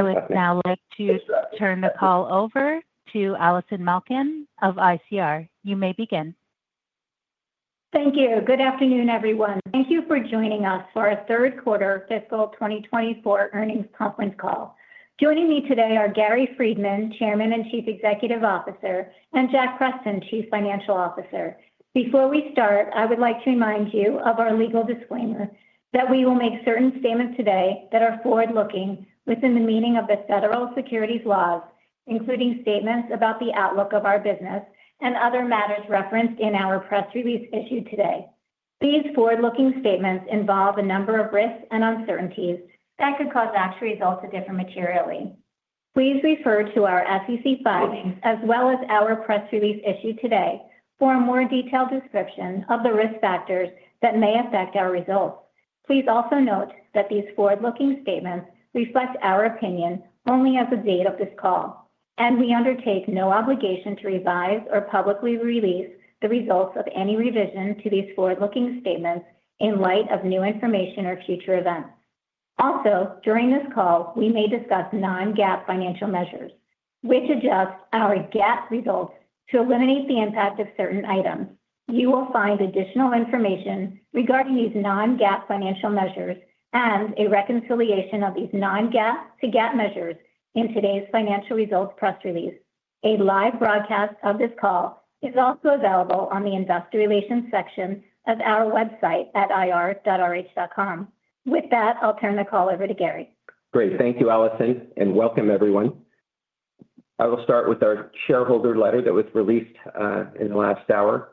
I would now like to turn the call over to Allison Malkin of ICR. You may begin. Thank you. Good afternoon, everyone. Thank you for joining us for our Third Quarter Fiscal 2024 Earnings Conference Call. Joining me today are Gary Friedman, Chairman and Chief Executive Officer, and Jack Preston, Chief Financial Officer. Before we start, I would like to remind you of our legal disclaimer that we will make certain statements today that are forward-looking within the meaning of the federal securities laws, including statements about the outlook of our business and other matters referenced in our press release issued today. These forward-looking statements involve a number of risks and uncertainties that could cause actual results to differ materially. Please refer to our SEC filings as well as our press release issued today for a more detailed description of the risk factors that may affect our results. Please also note that these forward-looking statements reflect our opinion only as of the date of this call, and we undertake no obligation to revise or publicly release the results of any revision to these forward-looking statements in light of new information or future events. Also, during this call, we may discuss non-GAAP financial measures, which adjust our GAAP results to eliminate the impact of certain items. You will find additional information regarding these non-GAAP financial measures and a reconciliation of these non-GAAP to GAAP measures in today's financial results press release. A live broadcast of this call is also available on the investor relations section of our website at ir.rh.com. With that, I'll turn the call over to Gary. Great. Thank you, Allison, and welcome, everyone. I will start with our shareholder letter that was released in the last hour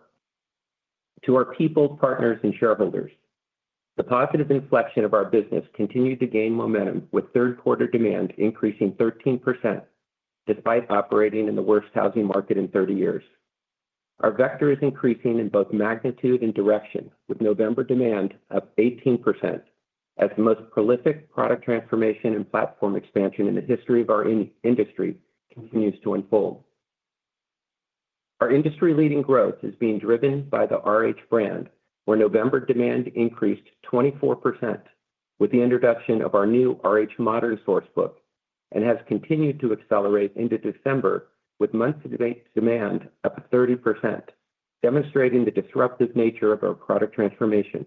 to our people, partners, and shareholders. The positive inflection of our business continued to gain momentum, with third quarter demand increasing 13% despite operating in the worst housing market in 30 years. Our vector is increasing in both magnitude and direction, with November demand up 18% as the most prolific product transformation and platform expansion in the history of our industry continues to unfold. Our industry-leading growth is being driven by the RH brand, where November demand increased 24% with the introduction of our new RH Modern Source Book and has continued to accelerate into December, with month-to-date demand up 30%, demonstrating the disruptive nature of our product transformation.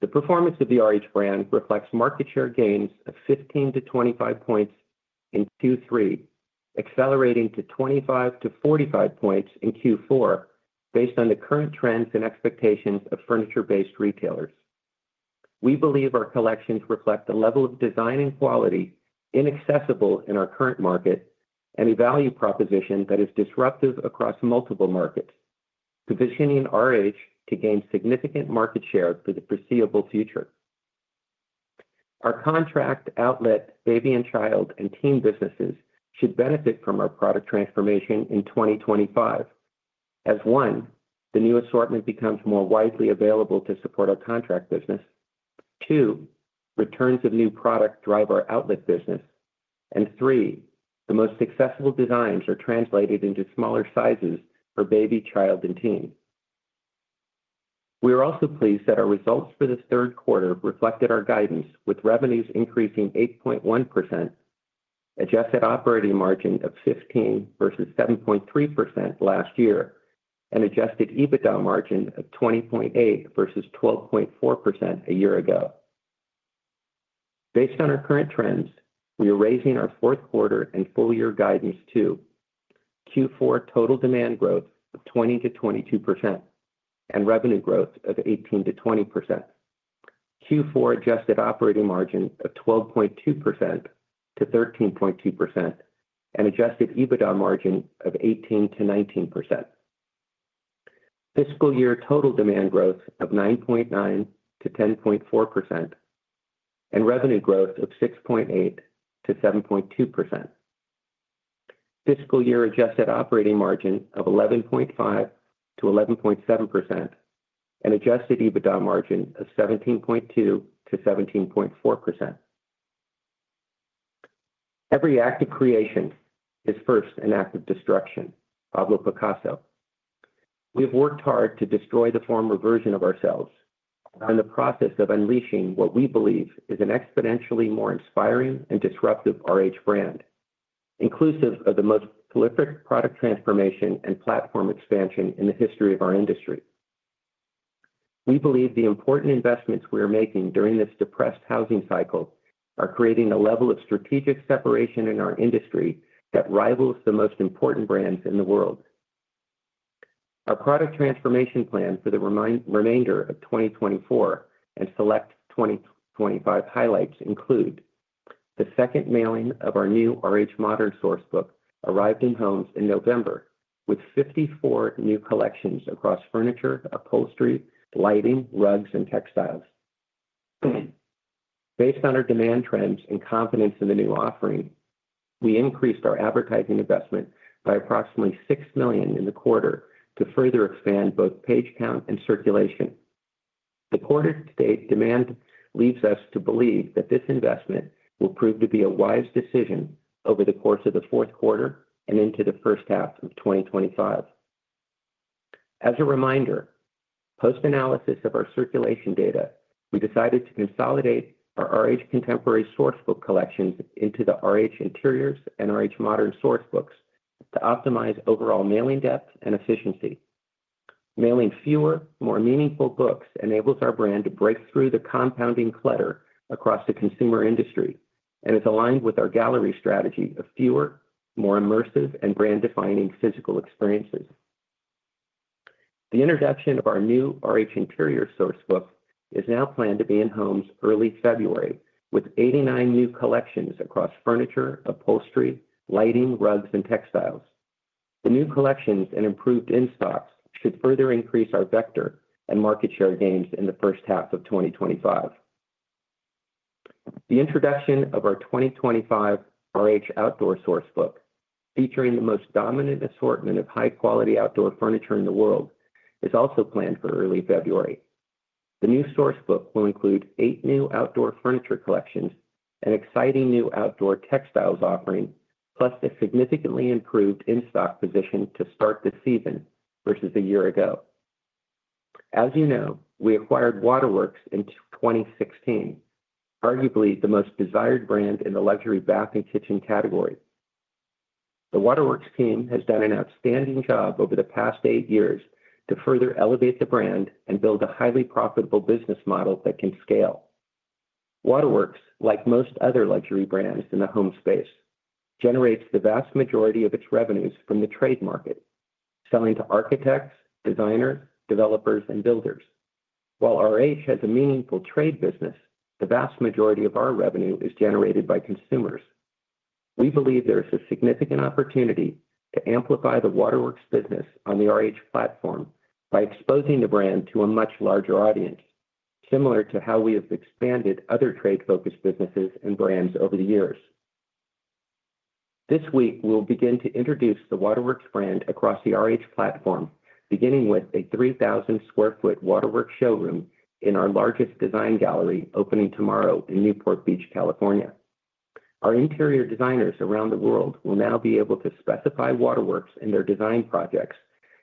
The performance of the RH brand reflects market share gains of 15-25 points in Q3, accelerating to 25-45 points in Q4 based on the current trends and expectations of furniture-based retailers. We believe our collections reflect the level of design and quality inaccessible in our current market and a value proposition that is disruptive across multiple markets, positioning RH to gain significant market share for the foreseeable future. Our contract outlet, Baby & Child, and Teen businesses should benefit from our product transformation in 2025. As one, the new assortment becomes more widely available to support our contract business. Two, returns of new product drive our outlet business. And three, the most accessible designs are translated into smaller sizes for baby, child, and teen. We are also pleased that our results for the third quarter reflected our guidance, with revenues increasing 8.1%, adjusted operating margin of 15% versus 7.3% last year, and adjusted EBITDA margin of 20.8% versus 12.4% a year ago. Based on our current trends, we are raising our fourth quarter and full-year guidance to Q4 total demand growth of 20%-22% and revenue growth of 18%-20%. Q4 adjusted operating margin of 12.2%-13.2% and adjusted EBITDA margin of 18%-19%. Fiscal year total demand growth of 9.9%-10.4% and revenue growth of 6.8%-7.2%. Fiscal year adjusted operating margin of 11.5%-11.7% and adjusted EBITDA margin of 17.2%-17.4%. "Every act of creation is first an act of destruction," Pablo Picasso. We have worked hard to destroy the former version of ourselves and are in the process of unleashing what we believe is an exponentially more inspiring and disruptive RH brand, inclusive of the most prolific product transformation and platform expansion in the history of our industry. We believe the important investments we are making during this depressed housing cycle are creating a level of strategic separation in our industry that rivals the most important brands in the world. Our product transformation plan for the remainder of 2024 and select 2025 highlights include the second mailing of our new RH Modern Source Book arrived in homes in November with 54 new collections across furniture, upholstery, lighting, rugs, and textiles. Based on our demand trends and confidence in the new offering, we increased our advertising investment by approximately $6 million in the quarter to further expand both page count and circulation. The quarter-to-date demand leads us to believe that this investment will prove to be a wise decision over the course of the fourth quarter and into the first half of 2025. As a reminder, post-analysis of our circulation data, we decided to consolidate our RH Contemporary Source Book collections into the RH Interiors Source Book and RH Modern Source Book to optimize overall mailing depth and efficiency. Mailing fewer, more meaningful books enables our brand to break through the compounding clutter across the consumer industry and is aligned with our gallery strategy of fewer, more immersive, and brand-defining physical experiences. The introduction of our new RH Interiors Source Book is now planned to be in homes early February, with 89 new collections across furniture, upholstery, lighting, rugs, and textiles. The new collections and improved in-stocks should further increase our vector and market share gains in the first half of 2025. The introduction of our 2025 RH Outdoor Source Book, featuring the most dominant assortment of high-quality outdoor furniture in the world, is also planned for early February. The new Source Book will include eight new outdoor furniture collections, an exciting new outdoor textiles offering, plus a significantly improved in-stock position to start the season versus a year ago. As you know, we acquired Waterworks in 2016, arguably the most desired brand in the luxury bath and kitchen category. The Waterworks team has done an outstanding job over the past eight years to further elevate the brand and build a highly profitable business model that can scale. Waterworks, like most other luxury brands in the home space, generates the vast majority of its revenues from the trade market, selling to architects, designers, developers, and builders. While RH has a meaningful trade business, the vast majority of our revenue is generated by consumers. We believe there is a significant opportunity to amplify the Waterworks business on the RH platform by exposing the brand to a much larger audience, similar to how we have expanded other trade-focused businesses and brands over the years. This week, we'll begin to introduce the Waterworks brand across the RH platform, beginning with a 3,000 sq ft Waterworks showroom in our largest design gallery opening tomorrow in Newport Beach, California. Our interior designers around the world will now be able to specify Waterworks in their design projects,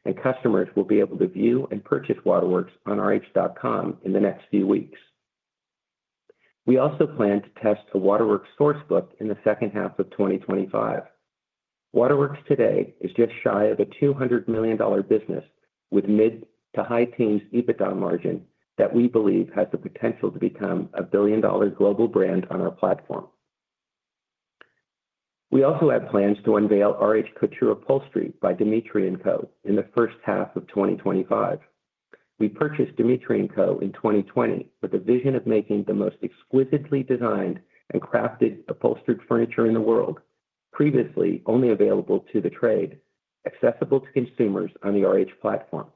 and customers will be able to view and purchase Waterworks on rh.com in the next few weeks. We also plan to test the Waterworks Source Book in the second half of 2025. Waterworks today is just shy of a $200 million business with mid-to-high teens EBITDA margin that we believe has the potential to become a billion-dollar global brand on our platform. We also have plans to unveil RH Couture Upholstery by Dmitriy & Co in the first half of 2025. We purchased Dmitriy & Co in 2020 with a vision of making the most exquisitely designed and crafted upholstered furniture in the world, previously only available to the trade, accessible to consumers on the RH platform.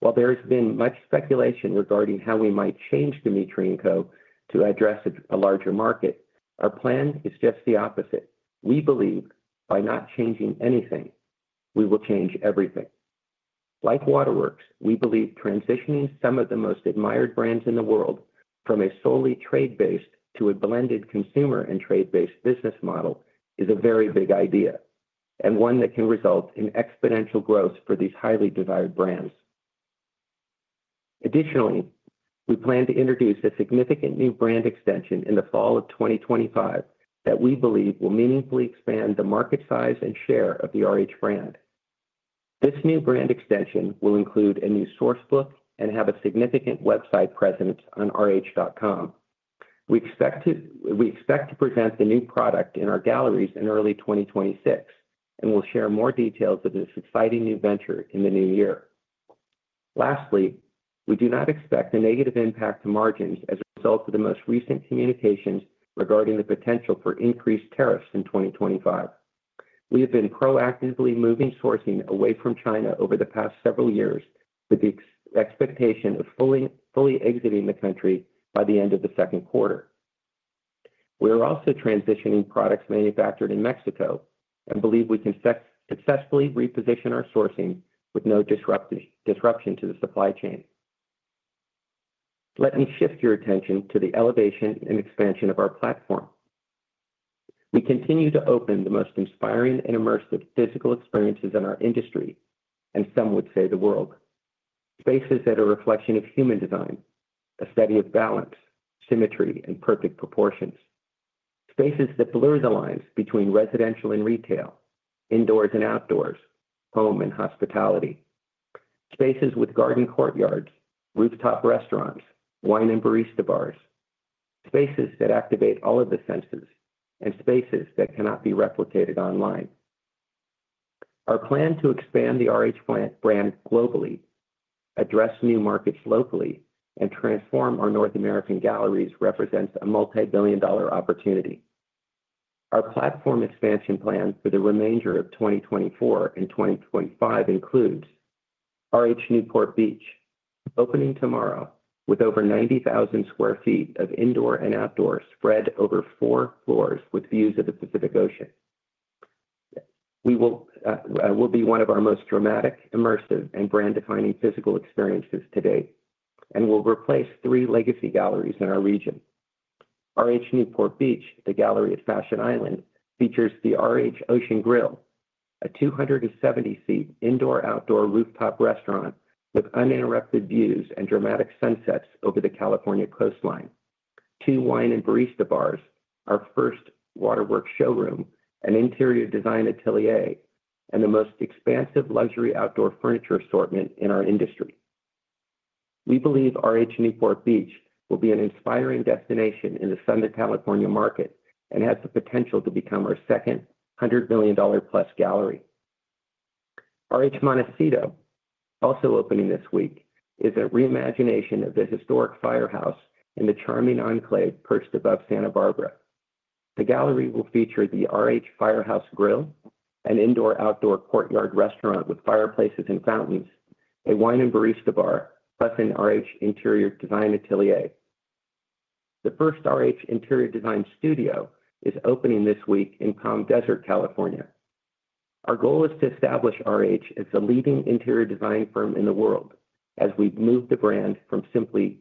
While there has been much speculation regarding how we might change Dmitriy & Co to address a larger market, our plan is just the opposite. We believe by not changing anything, we will change everything. Like Waterworks, we believe transitioning some of the most admired brands in the world from a solely trade-based to a blended consumer and trade-based business model is a very big idea and one that can result in exponential growth for these highly desired brands. Additionally, we plan to introduce a significant new brand extension in the fall of 2025 that we believe will meaningfully expand the market size and share of the RH brand. This new brand extension will include a new Source Book and have a significant website presence on rh.com. We expect to present the new product in our galleries in early 2026 and will share more details of this exciting new venture in the new year. Lastly, we do not expect a negative impact to margins as a result of the most recent communications regarding the potential for increased tariffs in 2025. We have been proactively moving sourcing away from China over the past several years with the expectation of fully exiting the country by the end of the second quarter. We are also transitioning products manufactured in Mexico and believe we can successfully reposition our sourcing with no disruption to the supply chain. Let me shift your attention to the elevation and expansion of our platform. We continue to open the most inspiring and immersive physical experiences in our industry, and some would say the world, spaces that are a reflection of human design, a study of balance, symmetry, and perfect proportions. Spaces that blur the lines between residential and retail, indoors and outdoors, home and hospitality. Spaces with garden courtyards, rooftop restaurants, wine and barista bars. Spaces that activate all of the senses and spaces that cannot be replicated online. Our plan to expand the RH brand globally, address new markets locally, and transform our North American galleries represents a multi-billion-dollar opportunity. Our platform expansion plan for the remainder of 2024 and 2025 includes RH Newport Beach, opening tomorrow with over 90,000 sq ft of indoor and outdoor spread over four floors with views of the Pacific Ocean. We will be one of our most dramatic, immersive, and brand-defining physical experiences today and will replace three legacy galleries in our region. RH Newport Beach, the gallery at Fashion Island, features the RH Ocean Grill, a 270-seat indoor-outdoor rooftop restaurant with uninterrupted views and dramatic sunsets over the California coastline. Two wine and barista bars, our first Waterworks showroom, an Interior Design Atelier, and the most expansive luxury outdoor furniture assortment in our industry. We believe RH Newport Beach will be an inspiring destination in the Southern California market and has the potential to become our second $100 million plus gallery. RH Montecito, also opening this week, is a reimagination of the historic firehouse and the charming enclave perched above Santa Barbara. The gallery will feature the RH Firehouse Grill, an indoor-outdoor courtyard restaurant with fireplaces and fountains, a wine and barista bar, plus an RH Interior Design Atelier. The first RH Interior Design studio is opening this week in Palm Desert, California. Our goal is to establish RH as the leading interior design firm in the world as we move the brand from simply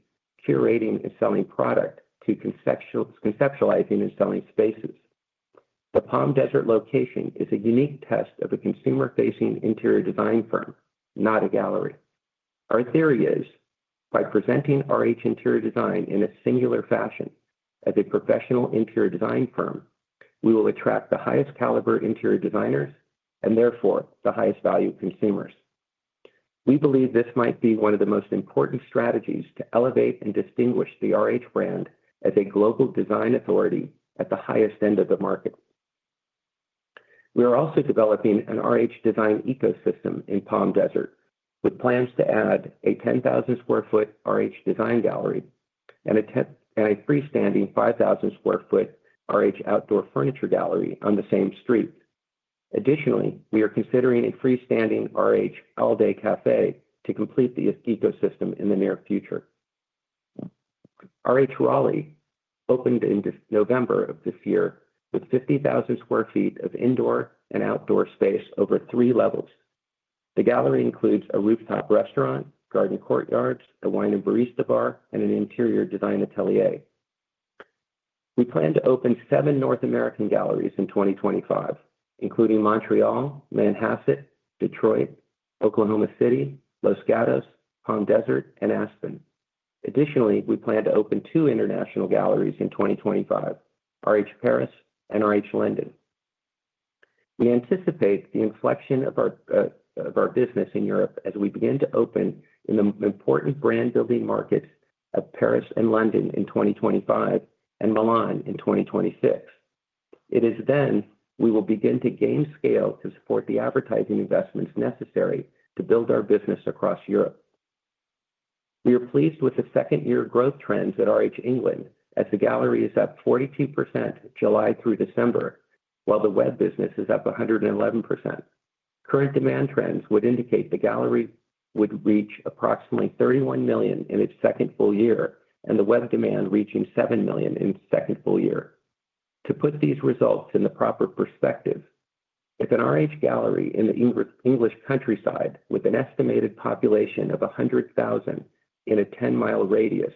curating and selling product to conceptualizing and selling spaces. The Palm Desert location is a unique test of a consumer-facing interior design firm, not a gallery. Our theory is, by presenting RH Interior Design in a singular fashion as a professional interior design firm, we will attract the highest-caliber interior designers and therefore the highest-value consumers. We believe this might be one of the most important strategies to elevate and distinguish the RH brand as a global design authority at the highest end of the market. We are also developing an RH design ecosystem in Palm Desert with plans to add a 10,000 sq ft RH design gallery and a freestanding 5,000 sq ft RH outdoor furniture gallery on the same street. Additionally, we are considering a freestanding RH All-Day Cafe to complete the ecosystem in the near future. RH Raleigh opened in November of this year with 50,000 sq ft of indoor and outdoor space over three levels. The gallery includes a rooftop restaurant, garden courtyards, a wine and barista bar, and an Interior Design Atelier. We plan to open seven North American galleries in 2025, including Montreal, Manhasset, Detroit, Oklahoma City, Los Gatos, Palm Desert, and Aspen. Additionally, we plan to open two international galleries in 2025, RH Paris and RH London. We anticipate the inflection of our business in Europe as we begin to open in the important brand-building markets of Paris and London in 2025 and Milan in 2026. It is then we will begin to gain scale to support the advertising investments necessary to build our business across Europe. We are pleased with the second-year growth trends at RH England as the gallery is up 42% July through December, while the web business is up 111%. Current demand trends would indicate the gallery would reach approximately $31 million in its second full year and the web demand reaching $7 million in its second full year. To put these results in the proper perspective, if an RH gallery in the English countryside with an estimated population of 100,000 in a 10-mile radius,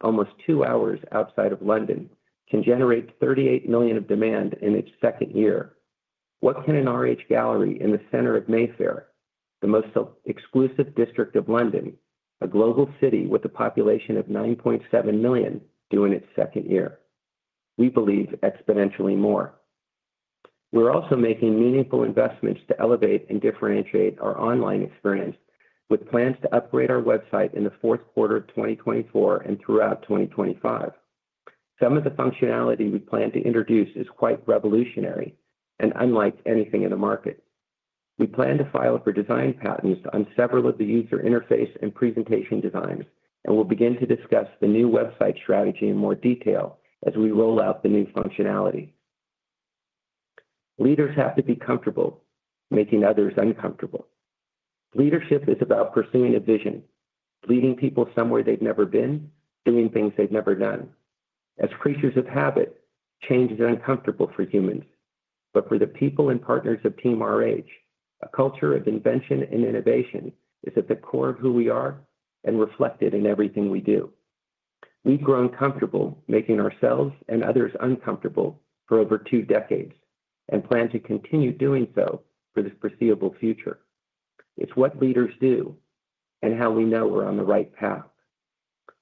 almost two hours outside of London, can generate 38 million of demand in its second year, what can an RH gallery in the center of Mayfair, the most exclusive district of London, a global city with a population of 9.7 million, do in its second year? We believe exponentially more. We're also making meaningful investments to elevate and differentiate our online experience with plans to upgrade our website in the fourth quarter of 2024 and throughout 2025. Some of the functionality we plan to introduce is quite revolutionary and unlike anything in the market. We plan to file for design patents on several of the user interface and presentation designs and will begin to discuss the new website strategy in more detail as we roll out the new functionality. Leaders have to be comfortable making others uncomfortable. Leadership is about pursuing a vision, leading people somewhere they've never been, doing things they've never done. As creatures of habit, change is uncomfortable for humans, but for the people and partners of Team RH, a culture of invention and innovation is at the core of who we are and reflected in everything we do. We've grown comfortable making ourselves and others uncomfortable for over two decades and plan to continue doing so for the foreseeable future. It's what leaders do and how we know we're on the right path.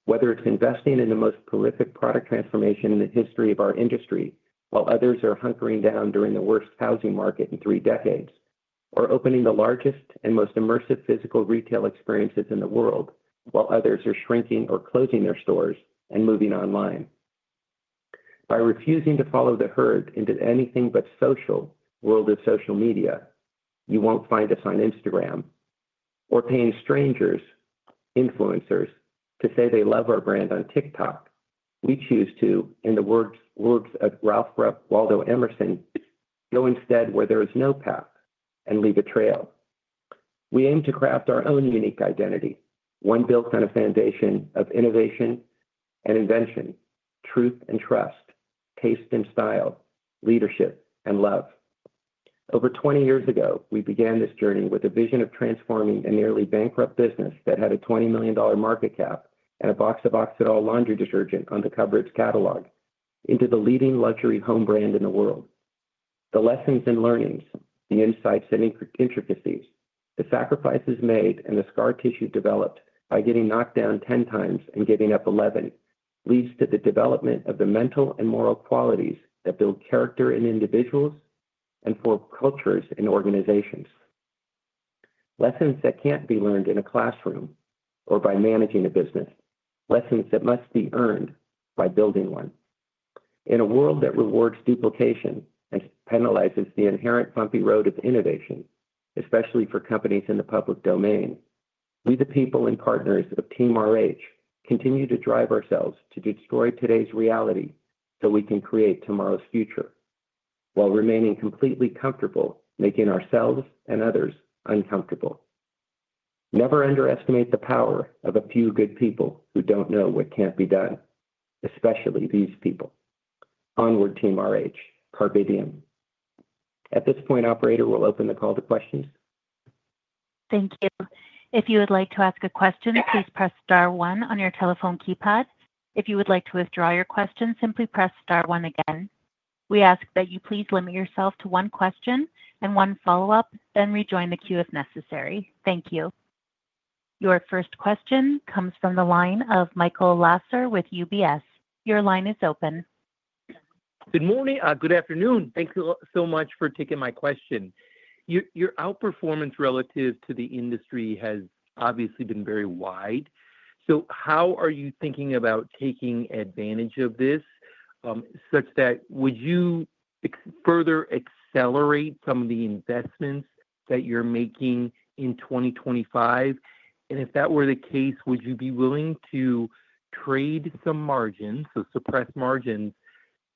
Whether it's investing in the most prolific product transformation in the history of our industry while others are hunkering down during the worst housing market in three decades or opening the largest and most immersive physical retail experiences in the world while others are shrinking or closing their stores and moving online. By refusing to follow the herd into anything but social world of social media, you won't find us on Instagram or paying strangers influencers to say they love our brand on TikTok. We choose to, in the words of Ralph Waldo Emerson, go instead where there is no path and leave a trail. We aim to craft our own unique identity, one built on a foundation of innovation and invention, truth and trust, taste and style, leadership and love. Over 20 years ago, we began this journey with a vision of transforming a nearly bankrupt business that had a $20 million market cap and a box of Oxydol laundry detergent on the cover of the catalog into the leading luxury home brand in the world. The lessons and learnings, the insights and intricacies, the sacrifices made and the scar tissue developed by getting knocked down 10 times and getting up 11 leads to the development of the mental and moral qualities that build character in individuals and for cultures and organizations. Lessons that can't be learned in a classroom or by managing a business, lessons that must be earned by building one. In a world that rewards duplication and penalizes the inherent bumpy road of innovation, especially for companies in the public domain, we, the people and partners of Team RH, continue to drive ourselves to destroy today's reality so we can create tomorrow's future while remaining completely comfortable making ourselves and others uncomfortable. Never underestimate the power of a few good people who don't know what can't be done, especially these people. Onward, Team RH. Proceed. At this point, operator, we'll open the call to questions. Thank you. If you would like to ask a question, please press star one on your telephone keypad. If you would like to withdraw your question, simply press star one again. We ask that you please limit yourself to one question and one follow-up, then rejoin the queue if necessary. Thank you. Your first question comes from the line of Michael Lasser with UBS. Your line is open. Good morning. Good afternoon. Thank you so much for taking my question. Your outperformance relative to the industry has obviously been very wide. So how are you thinking about taking advantage of this such that would you further accelerate some of the investments that you're making in 2025? And if that were the case, would you be willing to trade some margins, so suppress margins,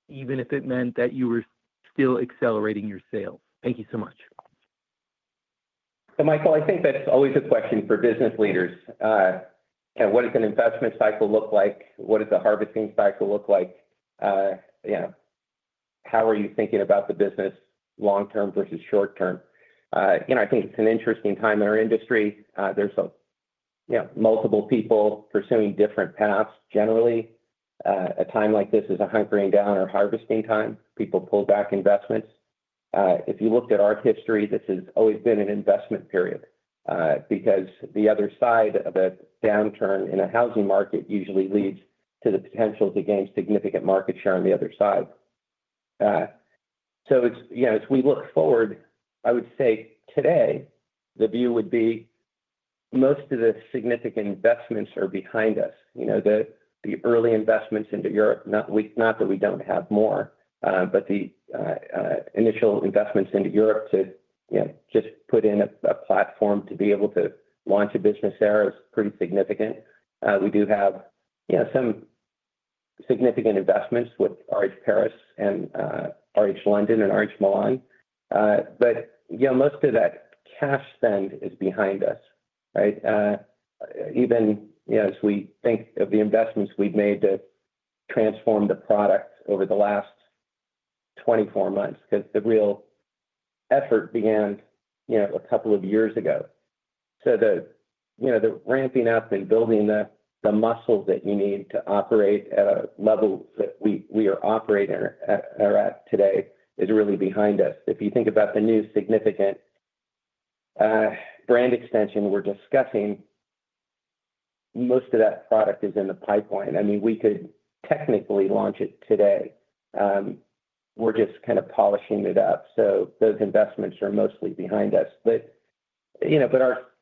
even if it meant that you were still accelerating your sales? Thank you so much. So, Michael, I think that's always a question for business leaders. What does an investment cycle look like? What does a harvesting cycle look like? How are you thinking about the business long-term versus short-term? I think it's an interesting time in our industry. There's multiple people pursuing different paths. Generally, a time like this is a hunkering down or harvesting time. People pull back investments. If you looked at our history, this has always been an investment period because the other side of a downturn in a housing market usually leads to the potential to gain significant market share on the other side. So as we look forward, I would say today, the view would be most of the significant investments are behind us. The early investments into Europe, not that we don't have more, but the initial investments into Europe to just put in a platform to be able to launch a business there is pretty significant. We do have some significant investments with RH Paris and RH London and RH Milan, but most of that cash spend is behind us. Even as we think of the investments we've made to transform the product over the last 24 months because the real effort began a couple of years ago. So the ramping up and building the muscles that you need to operate at a level that we are operating at today is really behind us. If you think about the new significant brand extension we're discussing, most of that product is in the pipeline. I mean, we could technically launch it today. We're just kind of polishing it up. So those investments are mostly behind us. But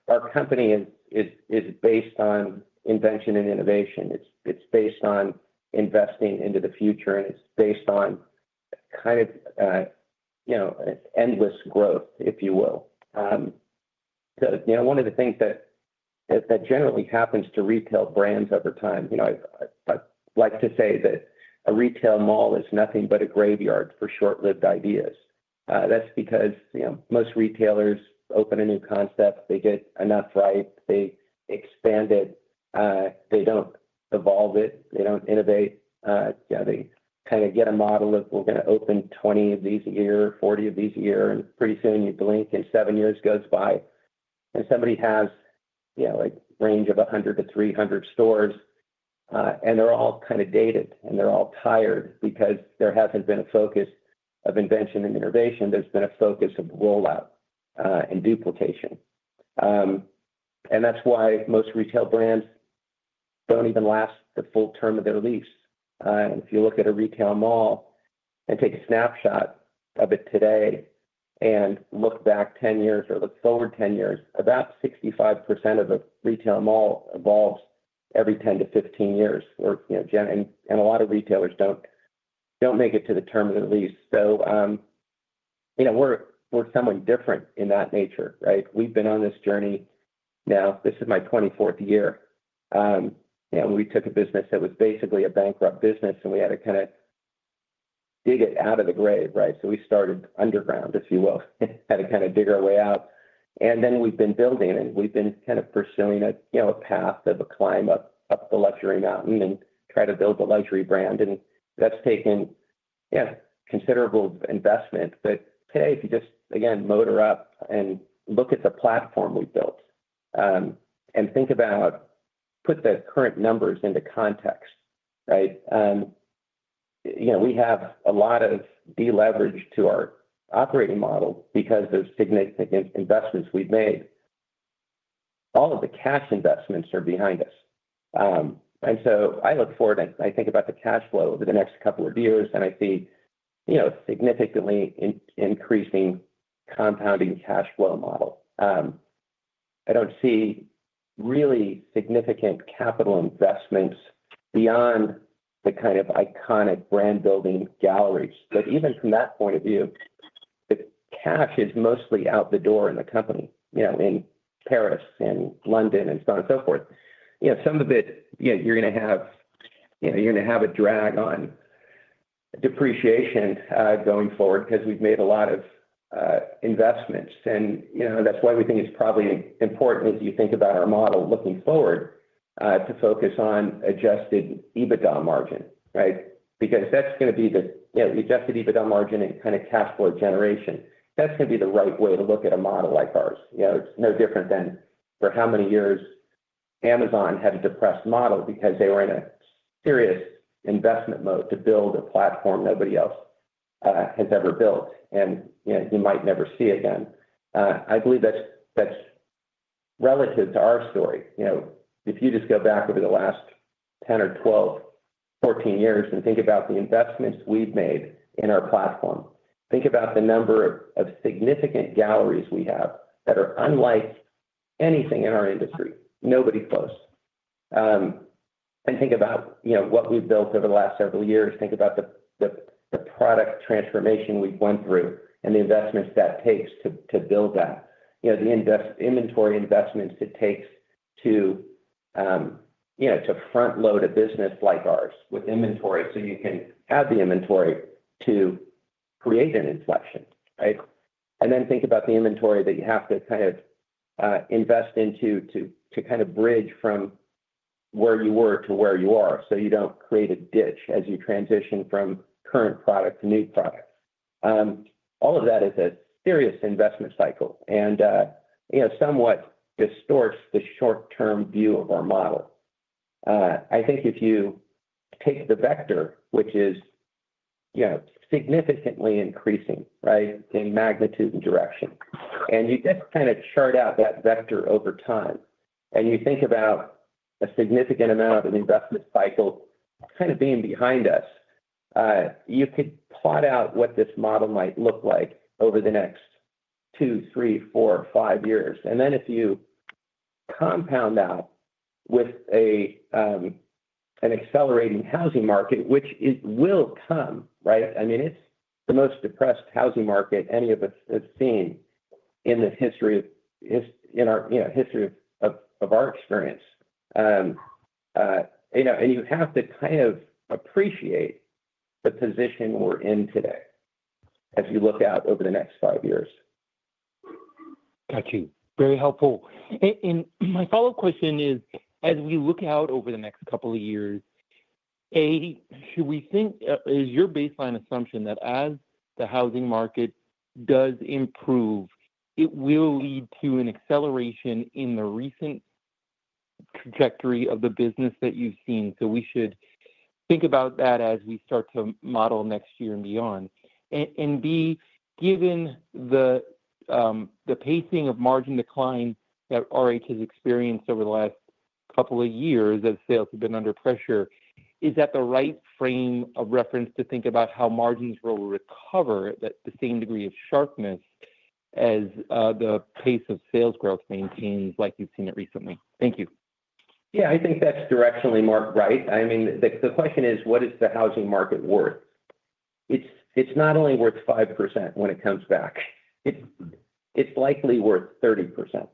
our company is based on invention and innovation. It's based on investing into the future, and it's based on kind of endless growth, if you will. So one of the things that generally happens to retail brands over time, I like to say that a retail mall is nothing but a graveyard for short-lived ideas. That's because most retailers open a new concept. They get enough right. They expand it. They don't evolve it. They don't innovate. They kind of get a model of, "We're going to open 20 of these a year, 40 of these a year," and pretty soon you blink, and seven years goes by, and somebody has a range of 100-300 stores, and they're all kind of dated, and they're all tired because there hasn't been a focus of invention and innovation. There's been a focus of rollout and duplication. And that's why most retail brands don't even last the full term of their lease. If you look at a retail mall and take a snapshot of it today and look back 10 years or look forward 10 years, about 65% of a retail mall evolves every 10 to 15 years, and a lot of retailers don't make it to the term of the lease. So we're someone different in that nature. We've been on this journey now. This is my 24th year. We took a business that was basically a bankrupt business, and we had to kind of dig it out of the grave, so we started underground, if you will, had to kind of dig our way out, and then we've been building, and we've been kind of pursuing a path of a climb up the luxury mountain and try to build a luxury brand, and that's taken considerable investment, but today, if you just, again, zoom out and look at the platform we built and think about putting the current numbers into context, we have a lot of deleverage to our operating model because of significant investments we've made. All of the cash investments are behind us, and so I look forward, and I think about the cash flow over the next couple of years, and I see significantly increasing compounding cash flow model. I don't see really significant capital investments beyond the kind of iconic brand-building galleries. But even from that point of view, the cash is mostly out the door in the company, in Paris and London and so on and so forth. Some of it, you're going to have a drag on depreciation going forward because we've made a lot of investments. And that's why we think it's probably important as you think about our model looking forward to focus on adjusted EBITDA margin because that's going to be the adjusted EBITDA margin and kind of cash flow generation. That's going to be the right way to look at a model like ours. It's no different than for how many years Amazon had a depressed model because they were in a serious investment mode to build a platform nobody else has ever built and you might never see again. I believe that's relative to our story. If you just go back over the last 10 or 12, 14 years and think about the investments we've made in our platform, think about the number of significant galleries we have that are unlike anything in our industry, nobody close, and think about what we've built over the last several years. Think about the product transformation we've gone through and the investments that takes to build that, the inventory investments it takes to front-load a business like ours with inventory so you can have the inventory to create an inflection. And then think about the inventory that you have to kind of invest into to kind of bridge from where you were to where you are so you don't create a ditch as you transition from current product to new product. All of that is a serious investment cycle and somewhat distorts the short-term view of our model. I think if you take the vector, which is significantly increasing in magnitude and direction, and you just kind of chart out that vector over time and you think about a significant amount of an investment cycle kind of being behind us, you could plot out what this model might look like over the next two, three, four, five years. Then if you compound that with an accelerating housing market, which it will come, I mean, it's the most depressed housing market any of us have seen in the history of our experience. You have to kind of appreciate the position we're in today as you look out over the next five years. Got you. Very helpful. My follow-up question is, as we look out over the next couple of years, A, should we think is your baseline assumption that as the housing market does improve, it will lead to an acceleration in the recent trajectory of the business that you've seen? So we should think about that as we start to model next year and beyond. And B, given the pacing of margin decline that RH has experienced over the last couple of years as sales have been under pressure, is that the right frame of reference to think about how margins will recover at the same degree of sharpness as the pace of sales growth maintains like you've seen it recently? Thank you. Yeah. I think that's directionally marked right. I mean, the question is, what is the housing market worth? It's not only worth 5% when it comes back. It's likely worth 30%.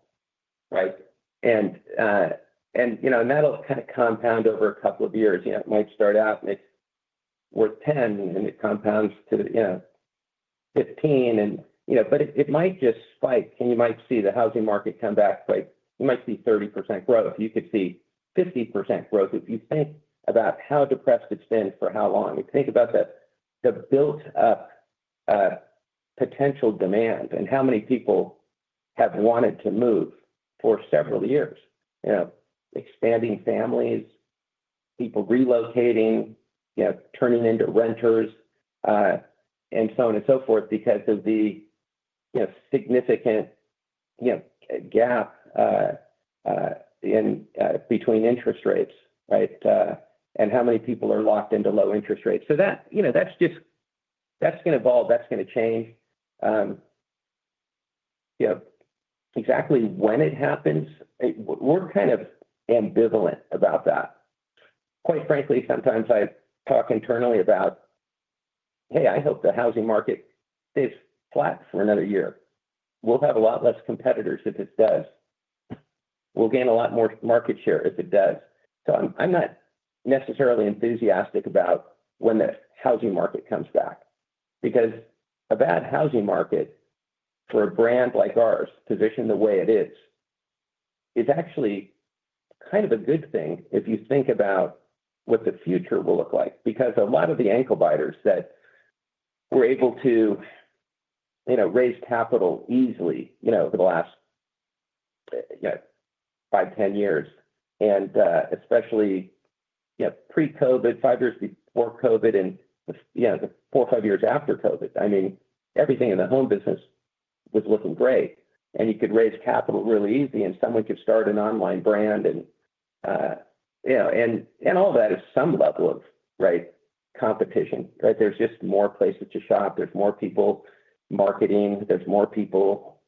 And that'll kind of compound over a couple of years. It might start out, and it's worth 10%, and it compounds to 15%. But it might just spike, and you might see the housing market come back. You might see 30% growth. You could see 50% growth if you think about how depressed it's been for how long. Think about the built-up potential demand and how many people have wanted to move for several years, expanding families, people relocating, turning into renters, and so on and so forth because of the significant gap between interest rates and how many people are locked into low interest rates. So that's going to evolve. That's going to change. Exactly when it happens, we're kind of ambivalent about that. Quite frankly, sometimes I talk internally about, "Hey, I hope the housing market stays flat for another year. We'll have a lot less competitors if it does. We'll gain a lot more market share if it does." So I'm not necessarily enthusiastic about when the housing market comes back because a bad housing market for a brand like ours positioned the way it is is actually kind of a good thing if you think about what the future will look like because a lot of the ankle biters that were able to raise capital easily over the last five, 10 years, and especially pre-COVID, five years before COVID, and the four, five years after COVID, I mean, everything in the home business was looking great. And you could raise capital really easy, and someone could start an online brand. And all of that is some level of competition. There's just more places to shop. There's more people marketing. There's more people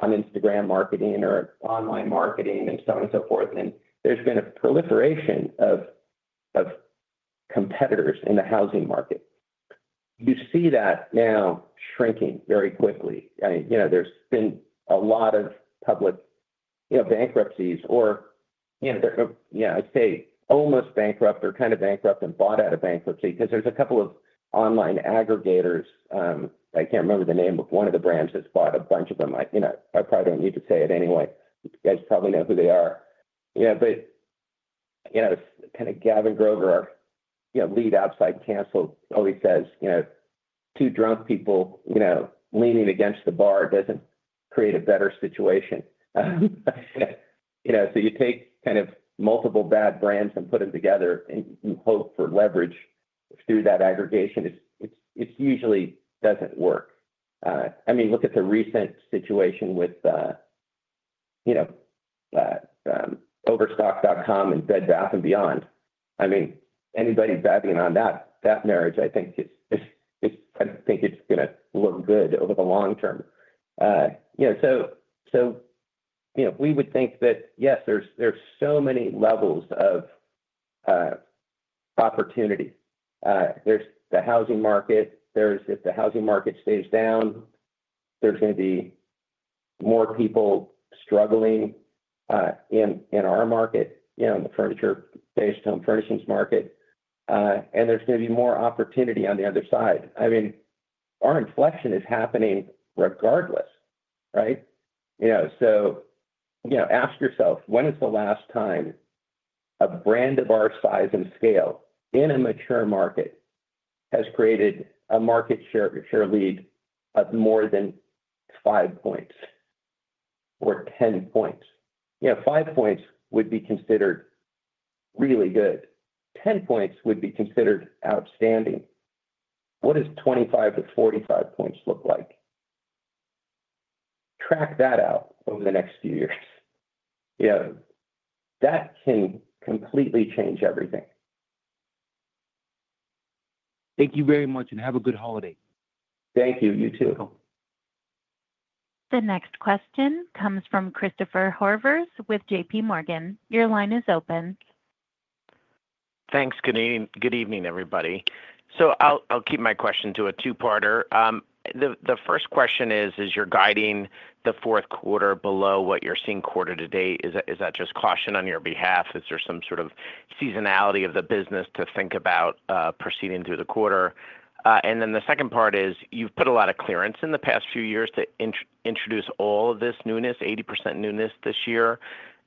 on Instagram marketing or online marketing and so on and so forth. And there's been a proliferation of competitors in the housing market. You see that now shrinking very quickly. There's been a lot of public bankruptcies or, I'd say, almost bankrupt or kind of bankrupt and bought out of bankruptcy because there's a couple of online aggregators. I can't remember the name of one of the brands that's bought a bunch of them. I probably don't need to say it anyway. You guys probably know who they are. But kind of Gavin Grover, our lead outside counsel, always says, "Two drunk people leaning against the bar doesn't create a better situation." So you take kind of multiple bad brands and put them together and hope for leverage through that aggregation. It usually doesn't work. I mean, look at the recent situation with Overstock.com and Bed Bath & Beyond. I mean, anybody betting on that marriage, I think it's going to look good over the long term. So we would think that, yes, there's so many levels of opportunity. There's the housing market. If the housing market stays down, there's going to be more people struggling in our market, the furniture-based home furnishings market. And there's going to be more opportunity on the other side. I mean, our inflection is happening regardless. So ask yourself, when is the last time a brand of our size and scale in a mature market has created a market share lead of more than five points or 10 points? Five points would be considered really good. 10 points would be considered outstanding. What does 25 to 45 points look like? Track that out over the next few years. That can completely change everything. Thank you very much, and have a good holiday. Thank you. You too. The next question comes from Christopher Horvers with JPMorgan. Your line is open. Thanks. Good evening, everybody. So I'll keep my question to a two-parter. The first question is, as you're guiding the fourth quarter below what you're seeing quarter to date, is that just caution on your behalf? Is there some sort of seasonality of the business to think about proceeding through the quarter? And then the second part is, you've put a lot of clearance in the past few years to introduce all of this newness, 80% newness this year.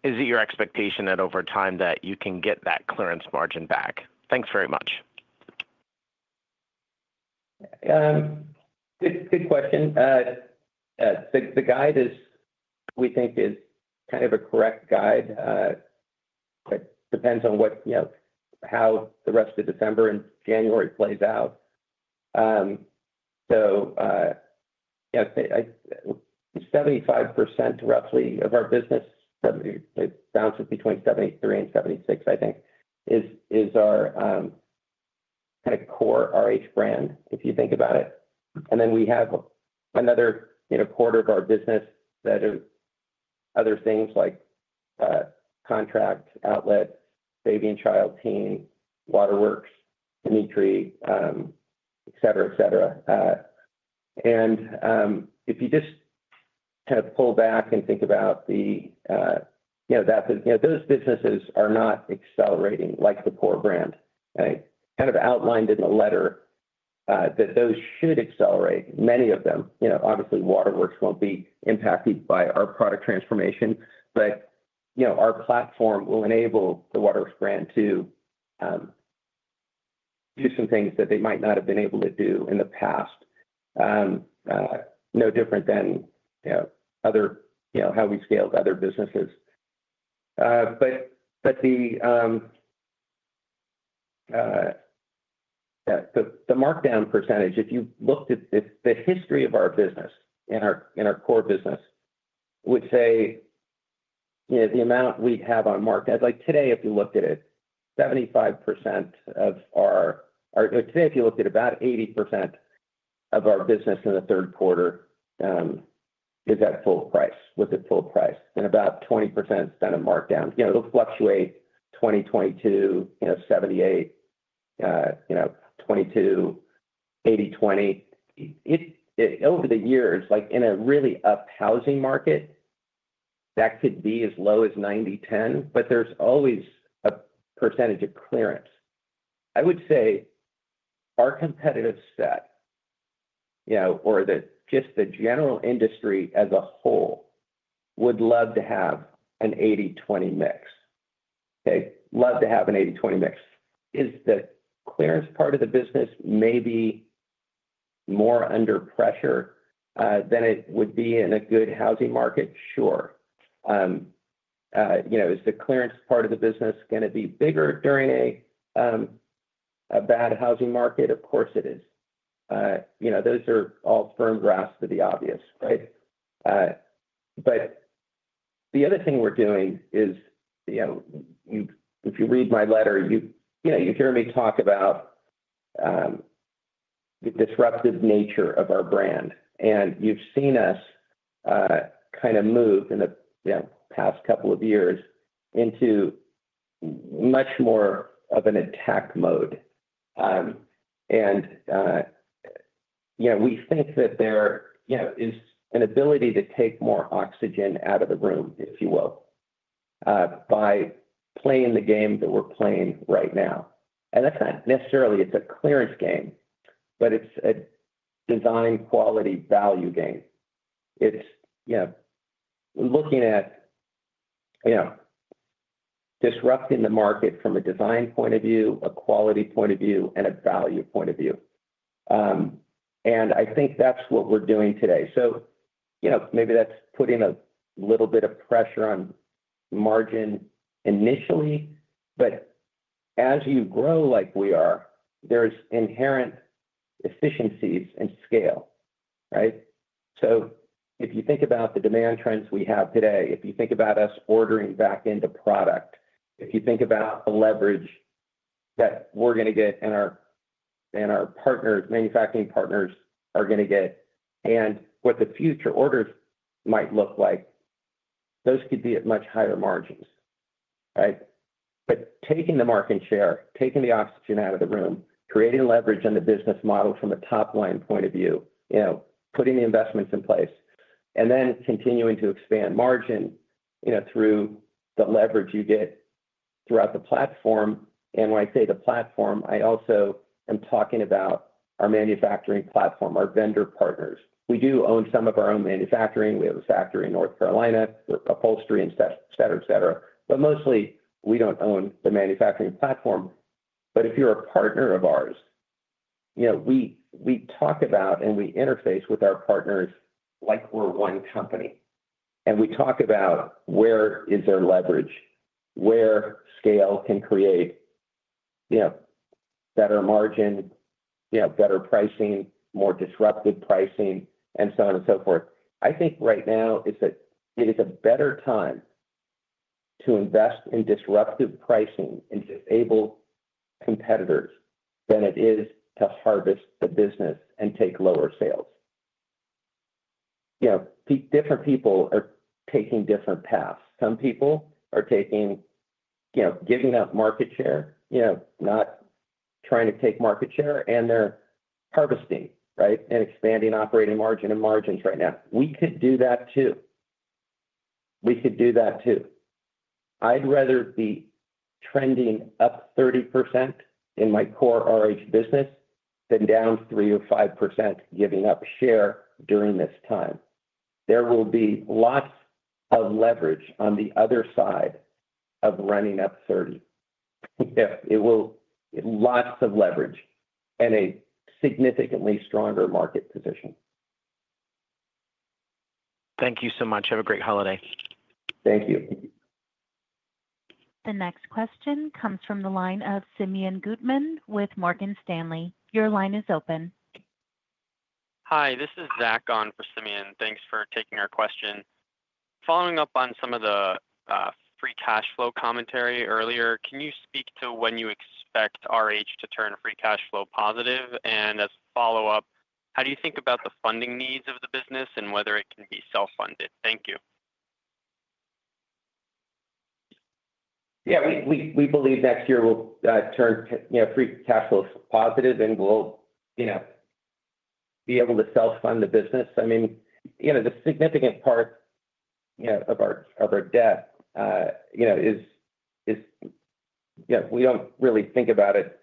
Is it your expectation that over time that you can get that clearance margin back? Thanks very much. Good question. The guide is, we think, kind of a correct guide. It depends on how the rest of December and January plays out. 75% roughly of our business, it bounces between 73%-76%, I think, is our kind of core RH brand, if you think about it. And then we have another quarter of our business that are other things like contract, outlet, baby and child team, Waterworks, inventory, etc., etc. And if you just kind of pull back and think about that, those businesses are not accelerating like the core brand. I kind of outlined in the letter that those should accelerate, many of them. Obviously, Waterworks won't be impacted by our product transformation, but our platform will enable the Waterworks brand to do some things that they might not have been able to do in the past, no different than how we scaled other businesses. But the markdown percentage, if you looked at the history of our business and our core business, would say the amount we have on market. Today, if you looked at it, 75% of our today, if you looked at about 80% of our business in the third quarter is at full price, with a full price, and about 20% is kind of marked down. It'll fluctuate 2022, 78%, 22%, 80%, 20%. Over the years, in a really up housing market, that could be as low as 90%, 10%, but there's always a percentage of clearance. I would say our competitive set or just the general industry as a whole would love to have an 80%, 20% mix. They'd love to have an 80%, 20% mix. Is the clearance part of the business maybe more under pressure than it would be in a good housing market? Sure. Is the clearance part of the business going to be bigger during a bad housing market? Of course, it is. Those are all firm grasps of the obvious. But the other thing we're doing is, if you read my letter, you hear me talk about the disruptive nature of our brand. And you've seen us kind of move in the past couple of years into much more of an attack mode. And we think that there is an ability to take more oxygen out of the room, if you will, by playing the game that we're playing right now. And that's not necessarily a clearance game, but it's a design quality value game. It's looking at disrupting the market from a design point of view, a quality point of view, and a value point of view. And I think that's what we're doing today. So maybe that's putting a little bit of pressure on margin initially. But as you grow like we are, there's inherent efficiencies and scale. So if you think about the demand trends we have today, if you think about us ordering back into product, if you think about the leverage that we're going to get and our manufacturing partners are going to get, and what the future orders might look like, those could be at much higher margins. But taking the market share, taking the oxygen out of the room, creating leverage on the business model from a top-line point of view, putting the investments in place, and then continuing to expand margin through the leverage you get throughout the platform. And when I say the platform, I also am talking about our manufacturing platform, our vendor partners. We do own some of our own manufacturing. We have a factory in North Carolina, upholstery, etc., etc., but mostly, we don't own the manufacturing platform, but if you're a partner of ours, we talk about and we interface with our partners like we're one company, and we talk about where is there leverage, where scale can create better margin, better pricing, more disruptive pricing, and so on and so forth. I think right now is that it is a better time to invest in disruptive pricing and disable competitors than it is to harvest the business and take lower sales. Different people are taking different paths. Some people are giving up market share, not trying to take market share, and they're harvesting and expanding operating margin and margins right now. We could do that too. We could do that too. I'd rather be trending up 30% in my core RH business than down 3% or 5% giving up share during this time. There will be lots of leverage on the other side of running up 30%. It will be lots of leverage and a significantly stronger market position. Thank you so much. Have a great holiday. Thank you. The next question comes from the line of Simeon Gutman with Morgan Stanley. Your line is open. Hi. This is Zach on for Simeon. Thanks for taking our question. Following up on some of the free cash flow commentary earlier, can you speak to when you expect RH to turn free cash flow positive? And as a follow-up, how do you think about the funding needs of the business and whether it can be self-funded? Thank you. Yeah. We believe next year will turn free cash flow positive and we'll be able to self-fund the business. I mean, the significant part of our debt is we don't really think about it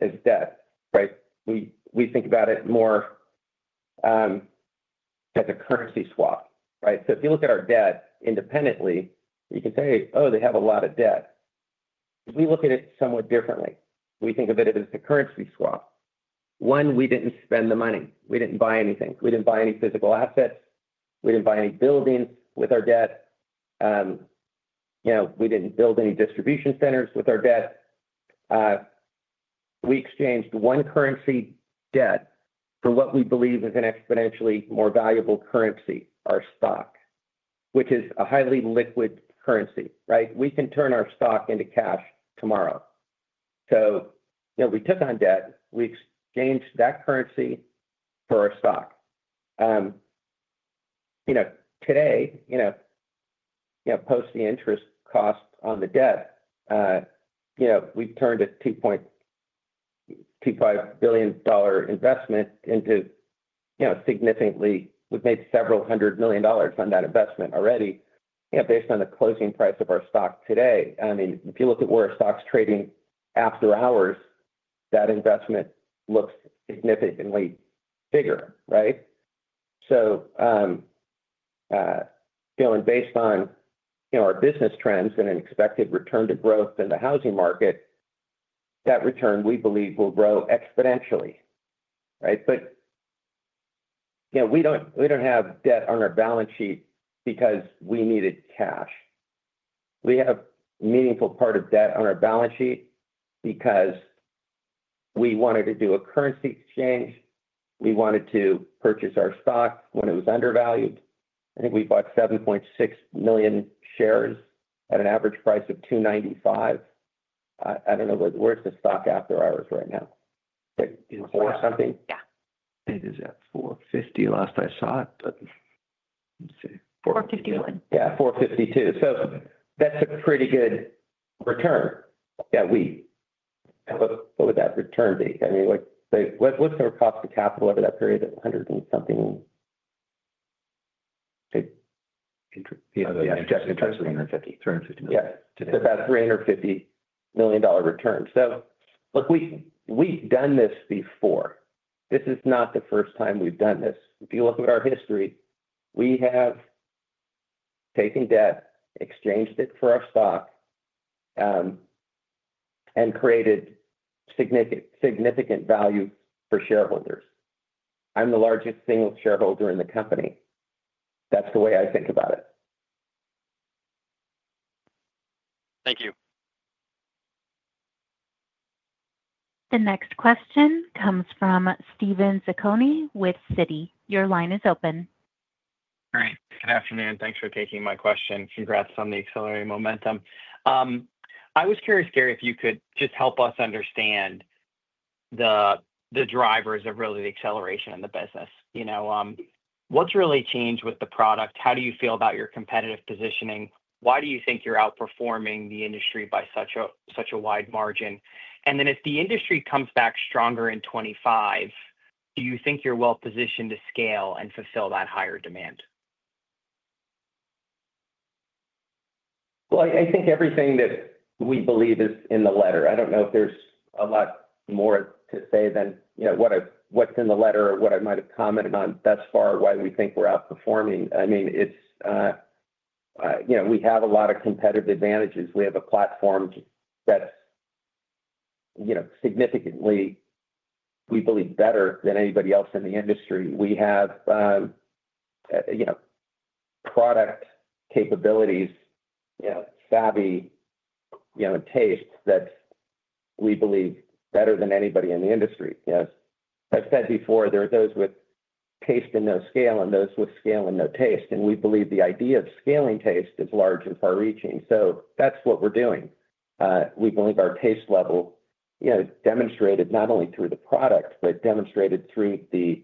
as debt. We think about it more as a currency swap. So if you look at our debt independently, you can say, "Oh, they have a lot of debt." We look at it somewhat differently. We think of it as a currency swap. One, we didn't spend the money. We didn't buy anything. We didn't buy any physical assets. We didn't buy any buildings with our debt. We didn't build any distribution centers with our debt. We exchanged one currency debt for what we believe is an exponentially more valuable currency, our stock, which is a highly liquid currency. We can turn our stock into cash tomorrow. So we took on debt. We exchanged that currency for our stock. Today, post the interest cost on the debt, we've turned a $2.25 billion investment into significantly we've made several hundred million dollars on that investment already based on the closing price of our stock today. I mean, if you look at where our stock's trading after hours, that investment looks significantly bigger. So based on our business trends and an expected return to growth in the housing market, that return we believe will grow exponentially. But we don't have debt on our balance sheet because we needed cash. We have a meaningful part of debt on our balance sheet because we wanted to do a currency exchange. We wanted to purchase our stock when it was undervalued. I think we bought 7.6 million shares at an average price of $295. I don't know where the stock after hours right now. Is it at four something? Yeah. It is at 450 last I saw it, but let me see. 451. Yeah, 452. So that's a pretty good return that week. What would that return be? I mean, what's our cost of capital over that period of 100 and something? Yeah, 350. 350 million. Yeah. So about $350 million return. So look, we've done this before. This is not the first time we've done this. If you look at our history, we have taken debt, exchanged it for our stock, and created significant value for shareholders. I'm the largest single shareholder in the company. That's the way I think about it. Thank you. The next question comes from Steven Zaccone with Citi. Your line is open. All right. Good afternoon. Thanks for taking my question. Congrats on the accelerating momentum. I was curious, Gary, if you could just help us understand the drivers of really the acceleration in the business. What's really changed with the product? How do you feel about your competitive positioning? Why do you think you're outperforming the industry by such a wide margin? And then if the industry comes back stronger in 2025, do you think you're well-positioned to scale and fulfill that higher demand? Well, I think everything that we believe is in the letter. I don't know if there's a lot more to say than what's in the letter or what I might have commented on thus far, why we think we're outperforming. I mean, we have a lot of competitive advantages. We have a platform that's significantly, we believe, better than anybody else in the industry. We have product capabilities, savvy taste that we believe better than anybody in the industry. As I've said before, there are those with taste and no scale and those with scale and no taste. And we believe the idea of scaling taste is large and far-reaching. So that's what we're doing. We believe our taste level demonstrated not only through the product, but demonstrated through the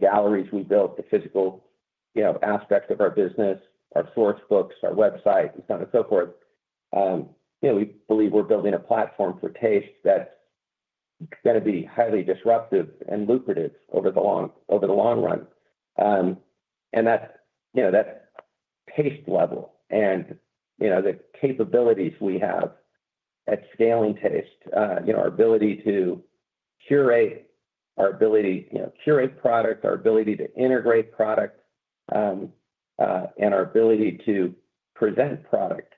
galleries we built, the physical aspects of our business, our Source Books, our website, and so on and so forth. We believe we're building a platform for taste that's going to be highly disruptive and lucrative over the long run. And that taste level and the capabilities we have at scaling taste, our ability to curate, our ability to curate product, our ability to integrate product, and our ability to present product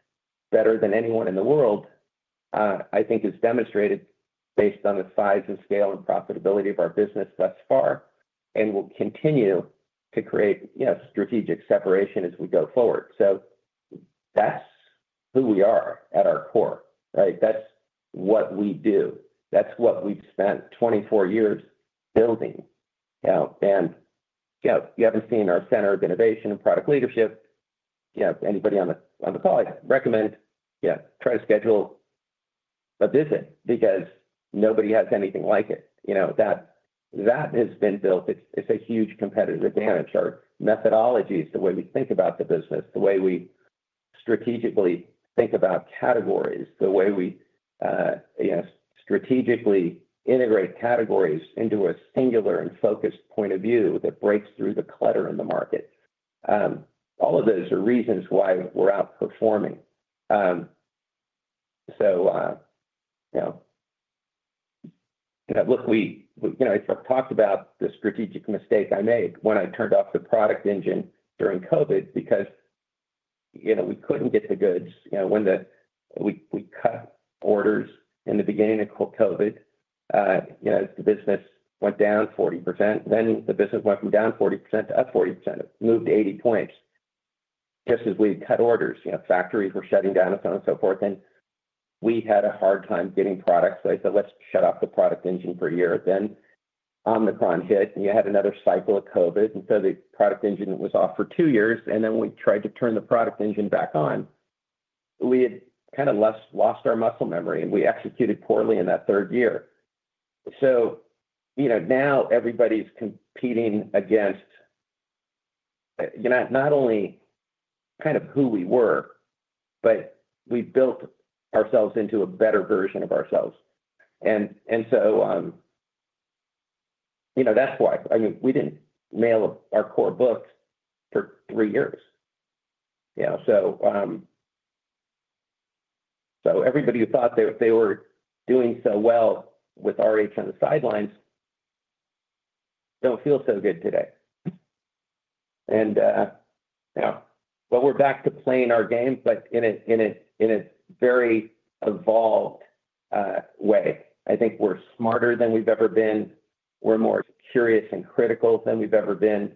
better than anyone in the world, I think, is demonstrated based on the size and scale and profitability of our business thus far and will continue to create strategic separation as we go forward. So that's who we are at our core. That's what we do. That's what we've spent 24 years building. And you haven't seen our center of innovation and product leadership. Anybody on the call, I recommend try to schedule a visit because nobody has anything like it. That has been built. It's a huge competitive advantage. Our methodology is the way we think about the business, the way we strategically think about categories, the way we strategically integrate categories into a singular and focused point of view that breaks through the clutter in the market. All of those are reasons why we're outperforming. So look, I talked about the strategic mistake I made when I turned off the product engine during COVID because we couldn't get the goods. When we cut orders in the beginning of COVID, the business went down 40%. Then the business went from down 40% to up 40%. It moved 80 points just as we had cut orders. Factories were shutting down and so on and so forth. And we had a hard time getting products. I said, "Let's shut off the product engine for a year." Then Omicron hit, and you had another cycle of COVID. And so the product engine was off for two years. And then we tried to turn the product engine back on. We had kind of lost our muscle memory, and we executed poorly in that third year. So now everybody's competing against not only kind of who we were, but we built ourselves into a better version of ourselves. And so that's why. I mean, we didn't nail our core book for three years. So everybody who thought they were doing so well with RH on the sidelines don't feel so good today. And well, we're back to playing our game, but in a very evolved way. I think we're smarter than we've ever been. We're more curious and critical than we've ever been.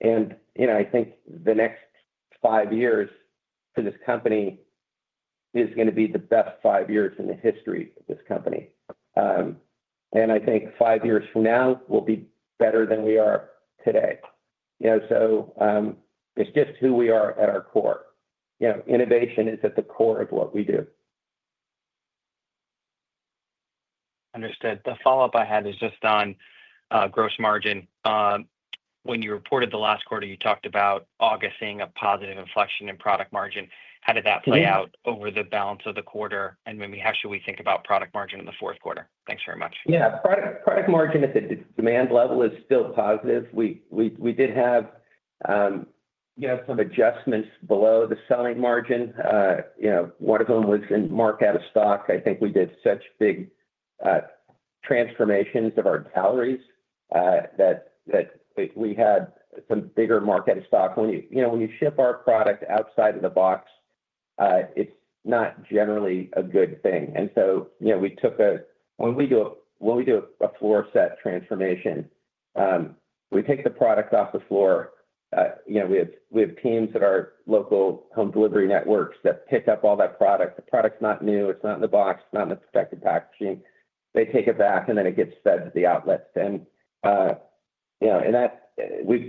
And I think the next five years for this company is going to be the best five years in the history of this company. And I think five years from now will be better than we are today. So it's just who we are at our core. Innovation is at the core of what we do. Understood. The follow-up I had is just on gross margin. When you reported the last quarter, you talked about August seeing a positive inflection in product margin. How did that play out over the balance of the quarter? And maybe how should we think about product margin in the fourth quarter? Thanks very much. Yeah. Product margin at the demand level is still positive. We did have some adjustments below the selling margin. One of them was in marked out of stock. I think we did such big transformations of our galleries that we had some bigger marked out of stock. When you ship our product outside of the box, it's not generally a good thing. And so when we do a floor set transformation, we take the product off the floor. We have teams at our local home delivery networks that pick up all that product. The product's not new. It's not in the box. It's not in the protective packaging. They take it back, and then it gets fed to the outlets. And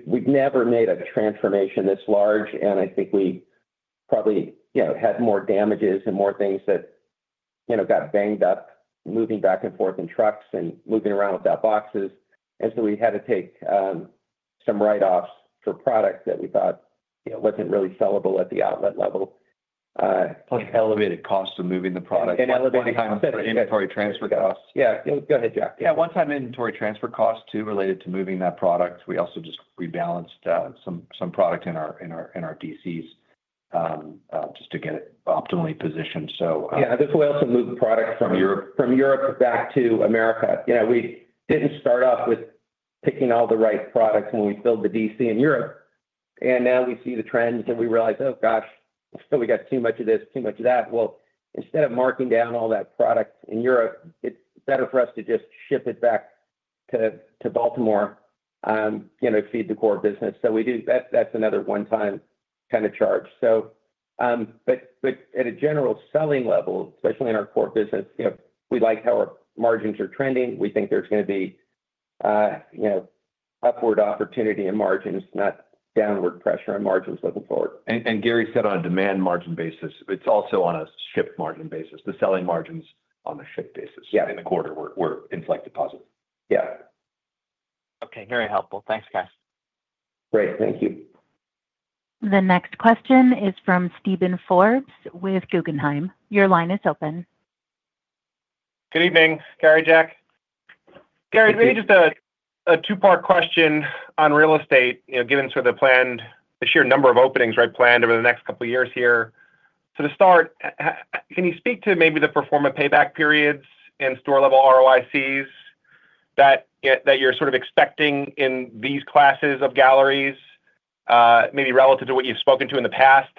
we've never made a transformation this large. And I think we probably had more damages and more things that got banged up moving back and forth in trucks and moving around without boxes. And so we had to take some write-offs for product that we thought wasn't really sellable at the outlet level. Elevated costs of moving the product. And elevated costs. For inventory transfer costs. Yeah. Go ahead, Jack. Yeah. One-time inventory transfer costs too related to moving that product. We also just rebalanced some product in our DCs just to get it optimally positioned, so Yeah, this way, we also moved product from Europe back to America. We didn't start off with picking all the right products when we filled the DC in Europe, and now we see the trends and we realize, "Oh, gosh. We got too much of this, too much of that," well, instead of marking down all that product in Europe, it's better for us to just ship it back to Baltimore to feed the core business, so that's another one-time kind of charge, but at a general selling level, especially in our core business, we like how our margins are trending. We think there's going to be upward opportunity in margins, not downward pressure on margins looking forward, And Gary said on a demand margin basis, it's also on a ship margin basis. The selling margins on the ship basis in the quarter were inflected positive. Yeah. Okay. Very helpful. Thanks, guys. Great. Thank you. The next question is from Steven Forbes with Guggenheim. Your line is open. Good evening, Gary, Jack. Gary, maybe just a two-part question on real estate given sort of the sheer number of openings, right, planned over the next couple of years here. So to start, can you speak to maybe the performance payback periods and store-level ROICs that you're sort of expecting in these classes of galleries, maybe relative to what you've spoken to in the past?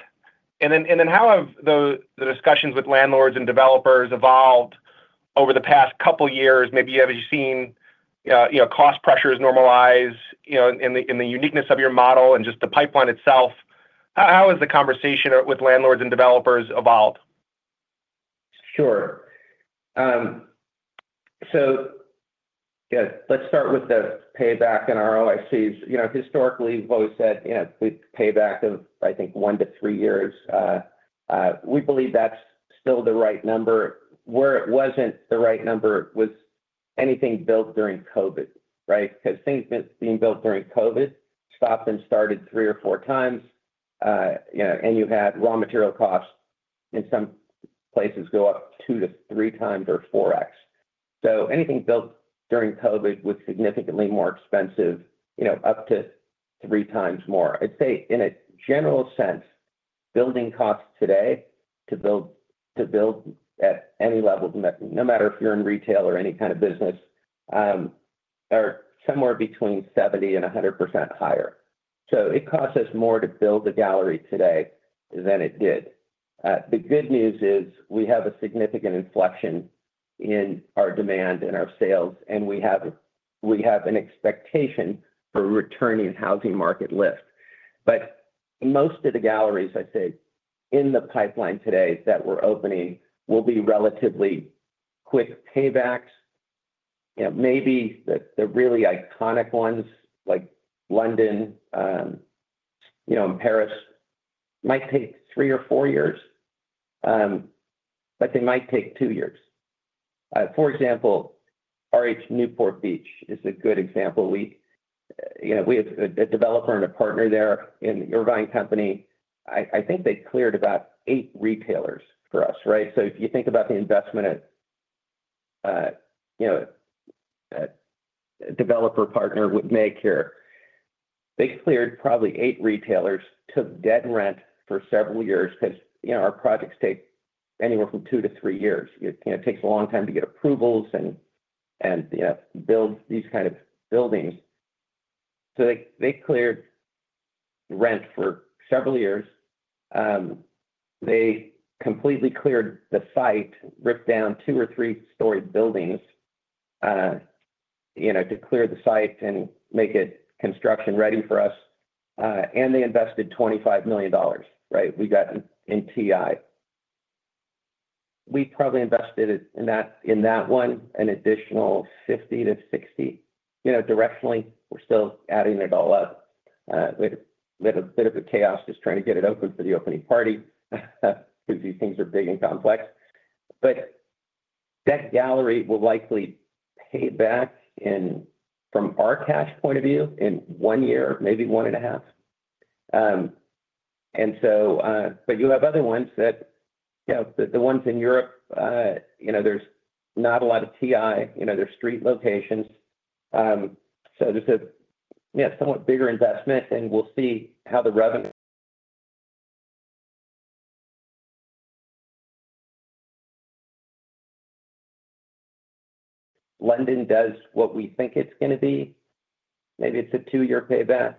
And then how have the discussions with landlords and developers evolved over the past couple of years? Maybe as you've seen cost pressures normalize in the uniqueness of your model and just the pipeline itself, how has the conversation with landlords and developers evolved? Sure. So let's start with the payback and ROICs. Historically, we've always said payback of, I think, one to three years. We believe that's still the right number. Where it wasn't the right number was anything built during COVID, right? Because things being built during COVID stopped and started three or four times, and you had raw material costs in some places go up two to three times or four X. So anything built during COVID was significantly more expensive, up to three times more. I'd say in a general sense, building costs today to build at any level, no matter if you're in retail or any kind of business, are somewhere between 70% and 100% higher. So it costs us more to build a gallery today than it did. The good news is we have a significant inflection in our demand and our sales, and we have an expectation for returning housing market lift. But most of the galleries, I'd say, in the pipeline today that we're opening will be relatively quick paybacks. Maybe the really iconic ones like London and Paris might take three or four years, but they might take two years. For example, RH Newport Beach is a good example. We have a developer and a partner there in Irvine Company. I think they cleared about eight retailers for us, right? So if you think about the investment a developer partner would make here, they cleared probably eight retailers, took dead rent for several years because our projects take anywhere from two to three years. It takes a long time to get approvals and build these kind of buildings. So they cleared rent for several years. They completely cleared the site, ripped down two or three-story buildings to clear the site and make it construction-ready for us. They invested $25 million, right? We got in TI. We probably invested in that one an additional 50-60. Directionally, we're still adding it all up. We had a bit of a chaos just trying to get it open for the opening party because these things are big and complex. That gallery will likely pay back from our cash point of view in one year, maybe one and a half. You have other ones, the ones in Europe. There's not a lot of TI. They're street locations. So there's a somewhat bigger investment, and we'll see how the revenue in London does what we think it's going to be. Maybe it's a two-year payback.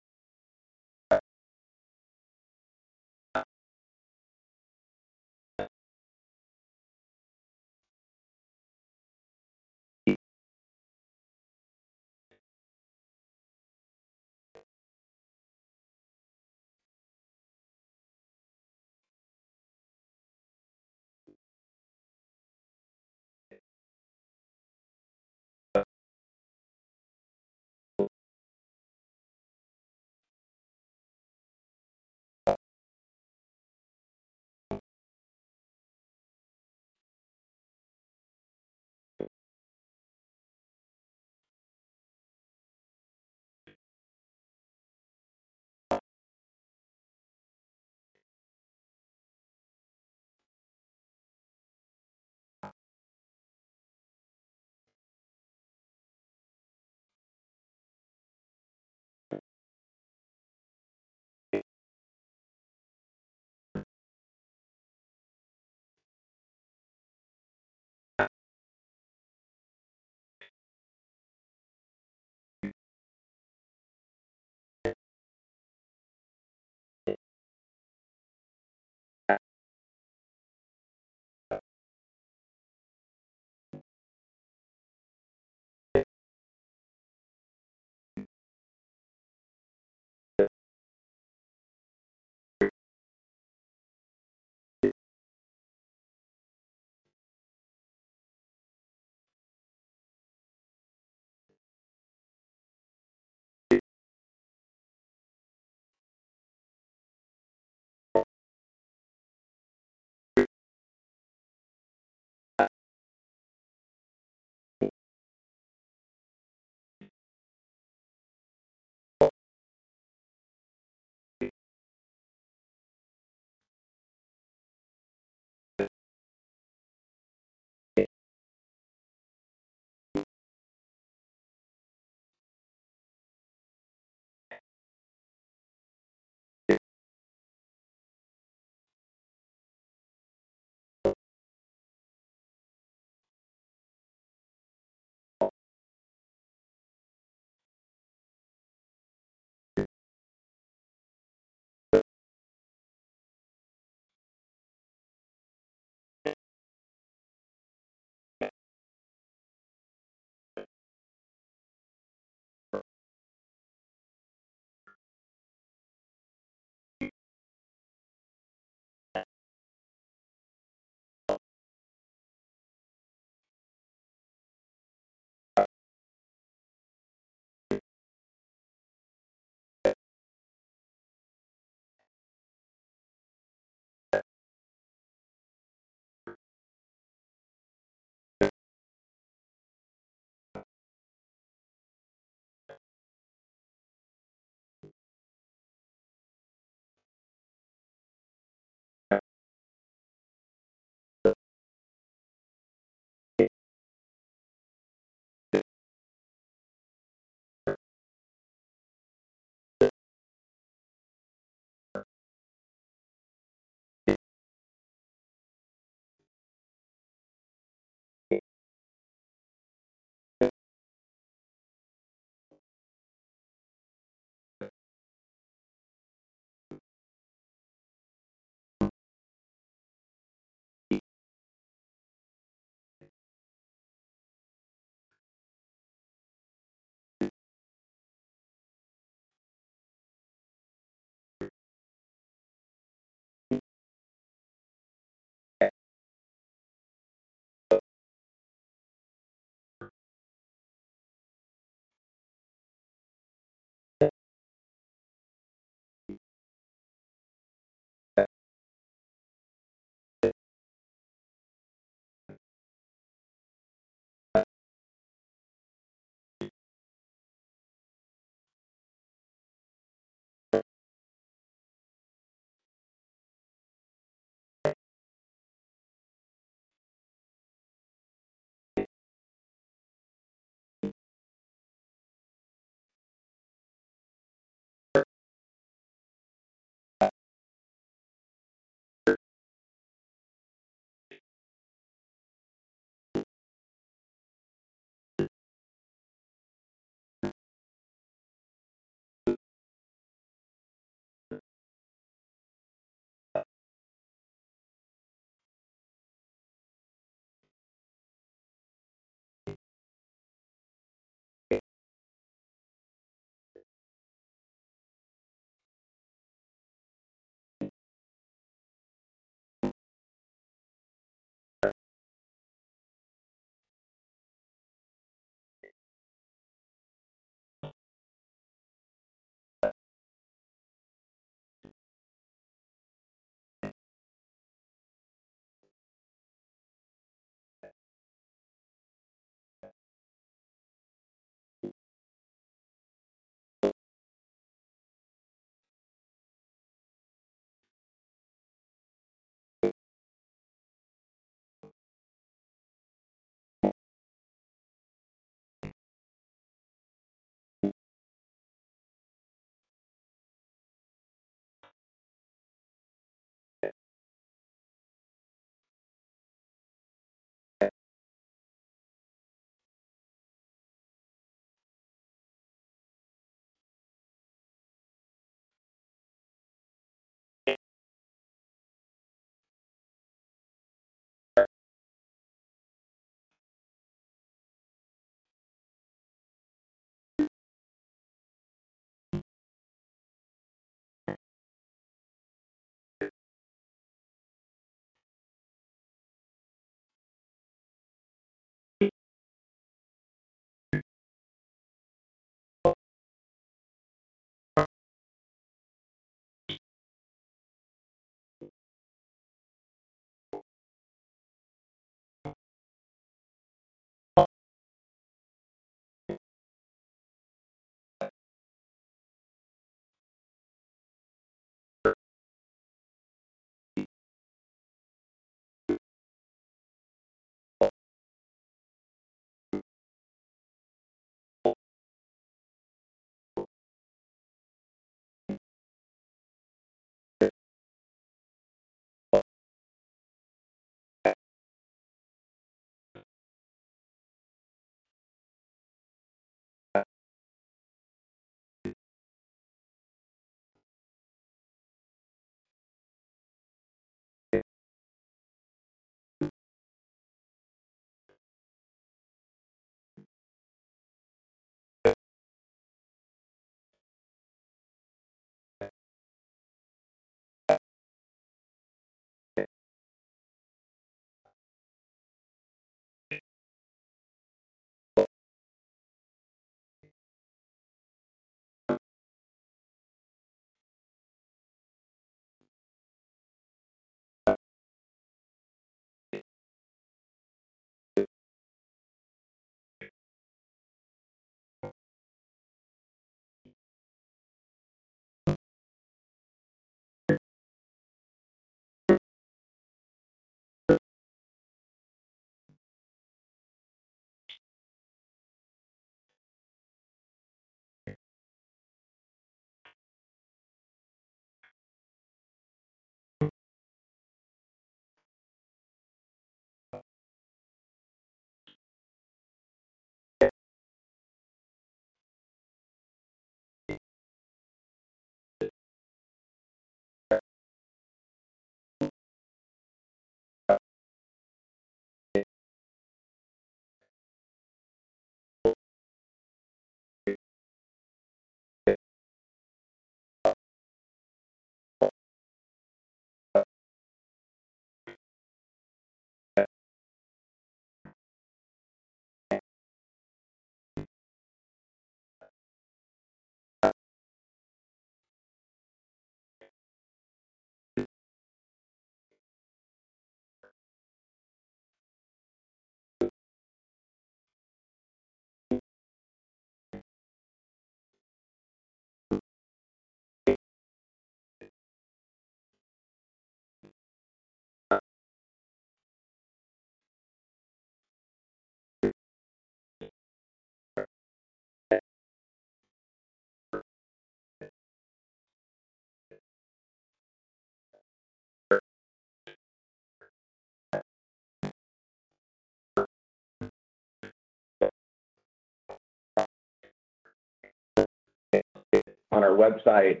On our website,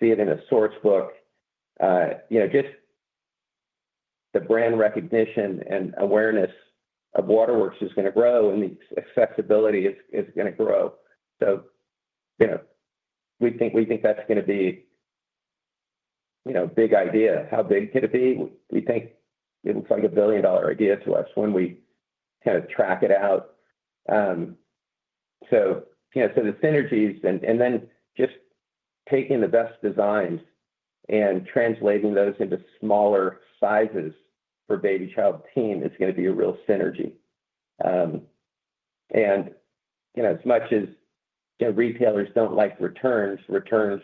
see it in a Source Book. You know, just the brand recognition and awareness of Waterworks is going to grow, and the accessibility is going to grow. So, you know, we think that's going to be, you know, a big idea. How big could it be? We think it looks like a billion dollar idea to us when we kind of track it out. So, you know, so the synergies, and then just taking the best designs and translating those into smaller sizes for baby, child, teen is going to be a real synergy. And, you know, as much as, you know, retailers don't like returns, returns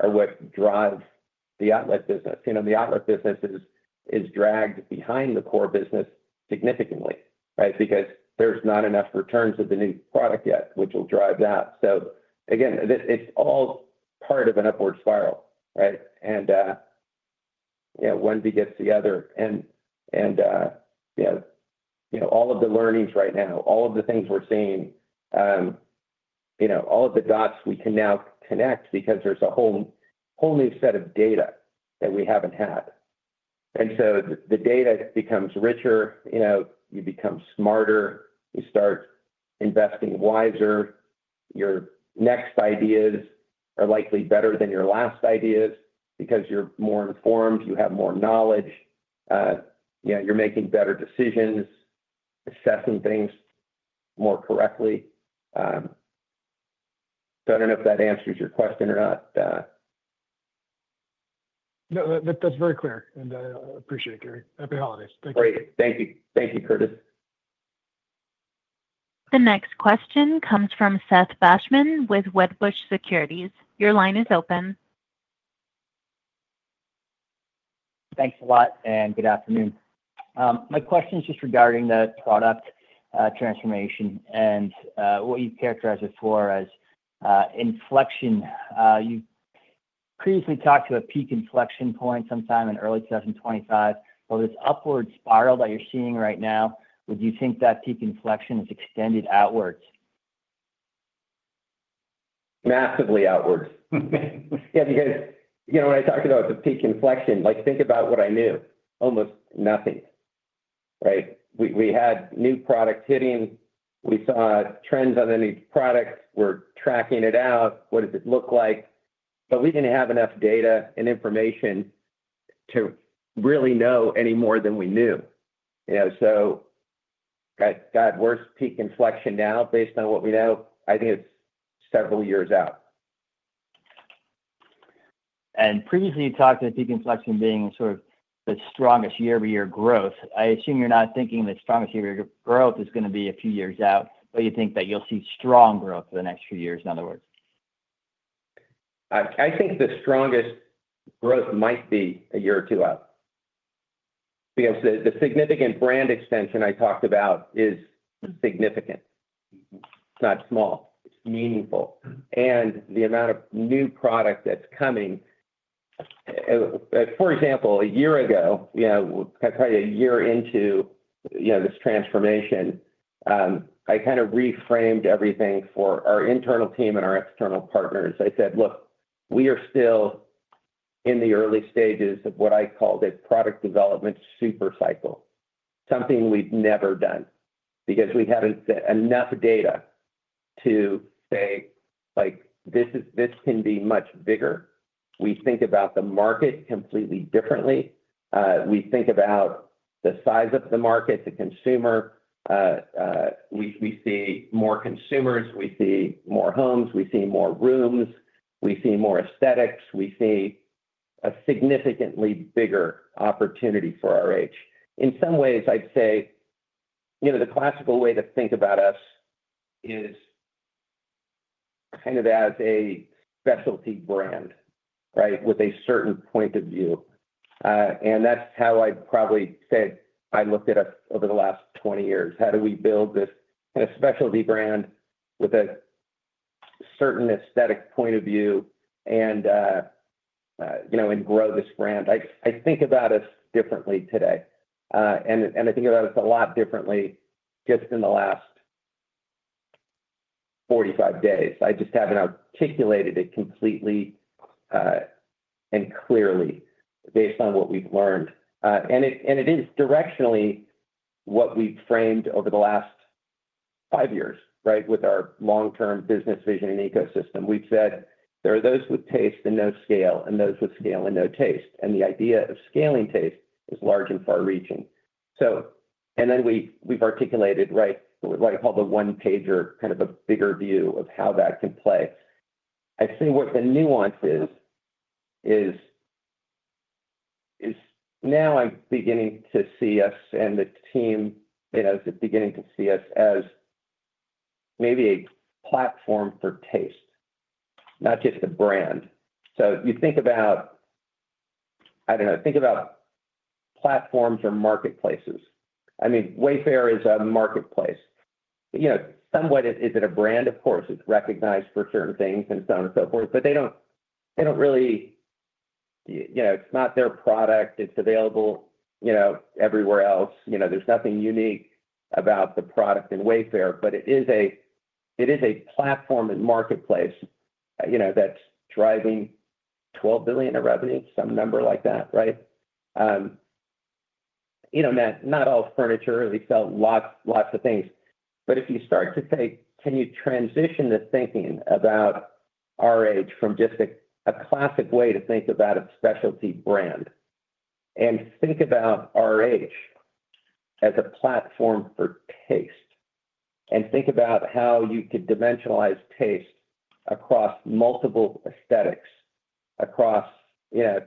are what drive the outlet business. You know, the outlet business is dragged behind the core business significantly, right? Because there's not enough returns of the new product yet, which will drive that. So again, it's all part of an upward spiral, right? And, you know, one begets the other. And, and, you know, you know, all of the learnings right now, all of the things we're seeing, you know, all of the dots we can now connect because there's a whole, whole new set of data that we haven't had. And so the data becomes richer, you know, you become smarter, you start investing wiser, your next ideas are likely better than your last ideas because you're more informed, you have more knowledge, you know, you're making better decisions, assessing things more correctly, so I don't know if that answers your question or not. No, that's very clear. And I appreciate it, Gary. Happy holidays. Thank you. Great. Thank you. Thank you, Curtis. The next question comes from Seth Basham with Wedbush Securities. Your line is open. Thanks a lot and good afternoon. My question is just regarding the product transformation and what you characterize it for as inflection. You previously talked to a peak inflection point sometime in early 2025. This upward spiral that you're seeing right now, would you think that peak inflection is extended outwards? Massively outwards. Yeah, because, you know, when I talked about the peak inflection, like, think about what I knew, almost nothing, right? We had new products hitting. We saw trends on any product. We're tracking it out. What does it look like? But we didn't have enough data and information to really know any more than we knew. You know, so God, at worst peak inflection now based on what we know, I think it's several years out. And previously you talked to the peak inflection being sort of the strongest year-over-year growth. I assume you're not thinking the strongest year-over-year growth is going to be a few years out, but you think that you'll see strong growth for the next few years, in other words? I think the strongest growth might be a year or two out. Because the significant brand extension I talked about is significant. It's not small. It's meaningful. And the amount of new product that's coming, for example, a year ago, you know, probably a year into, you know, this transformation, I kind of reframed everything for our internal team and our external partners. I said, "Look, we are still in the early stages of what I called a product development supercycle, something we've never done, because we haven't had enough data to say, like, this is, this can be much bigger. We think about the market completely differently. We think about the size of the market, the consumer. We see more consumers, we see more homes, we see more rooms, we see more aesthetics, we see a significantly bigger opportunity for our age. In some ways, I'd say, you know, the classical way to think about us is kind of as a specialty brand, right, with a certain point of view. And that's how I'd probably say I looked at us over the last 20 years. How do we build this kind of specialty brand with a certain aesthetic point of view and, you know, and grow this brand? I think about us differently today. And I think about us a lot differently just in the last 45 days. I just haven't articulated it completely, and clearly based on what we've learned. And it is directionally what we've framed over the last five years, right, with our long-term business vision and ecosystem. We've said there are those with taste and no scale, and those with scale and no taste. And the idea of scaling taste is large and far-reaching. So, and then we've articulated, right, what I call the one-pager kind of a bigger view of how that can play. I think what the nuance is now I'm beginning to see us and the team, you know, is beginning to see us as maybe a platform for taste, not just a brand. So you think about, I don't know, think about platforms or marketplaces. I mean, Wayfair is a marketplace. You know, somewhat is it a brand? Of course, it's recognized for certain things and so on and so forth, but they don't, they don't really, you know, it's not their product. It's available, you know, everywhere else. You know, there's nothing unique about the product in Wayfair, but it is a, it is a platform and marketplace, you know, that's driving $12 billion of revenue, some number like that, right? You know, not, not all furniture. We sell lots, lots of things. But if you start to think, can you transition the thinking about RH from just a classic way to think about a specialty brand and think about RH as a platform for taste and think about how you could dimensionalize taste across multiple aesthetics, across, you know,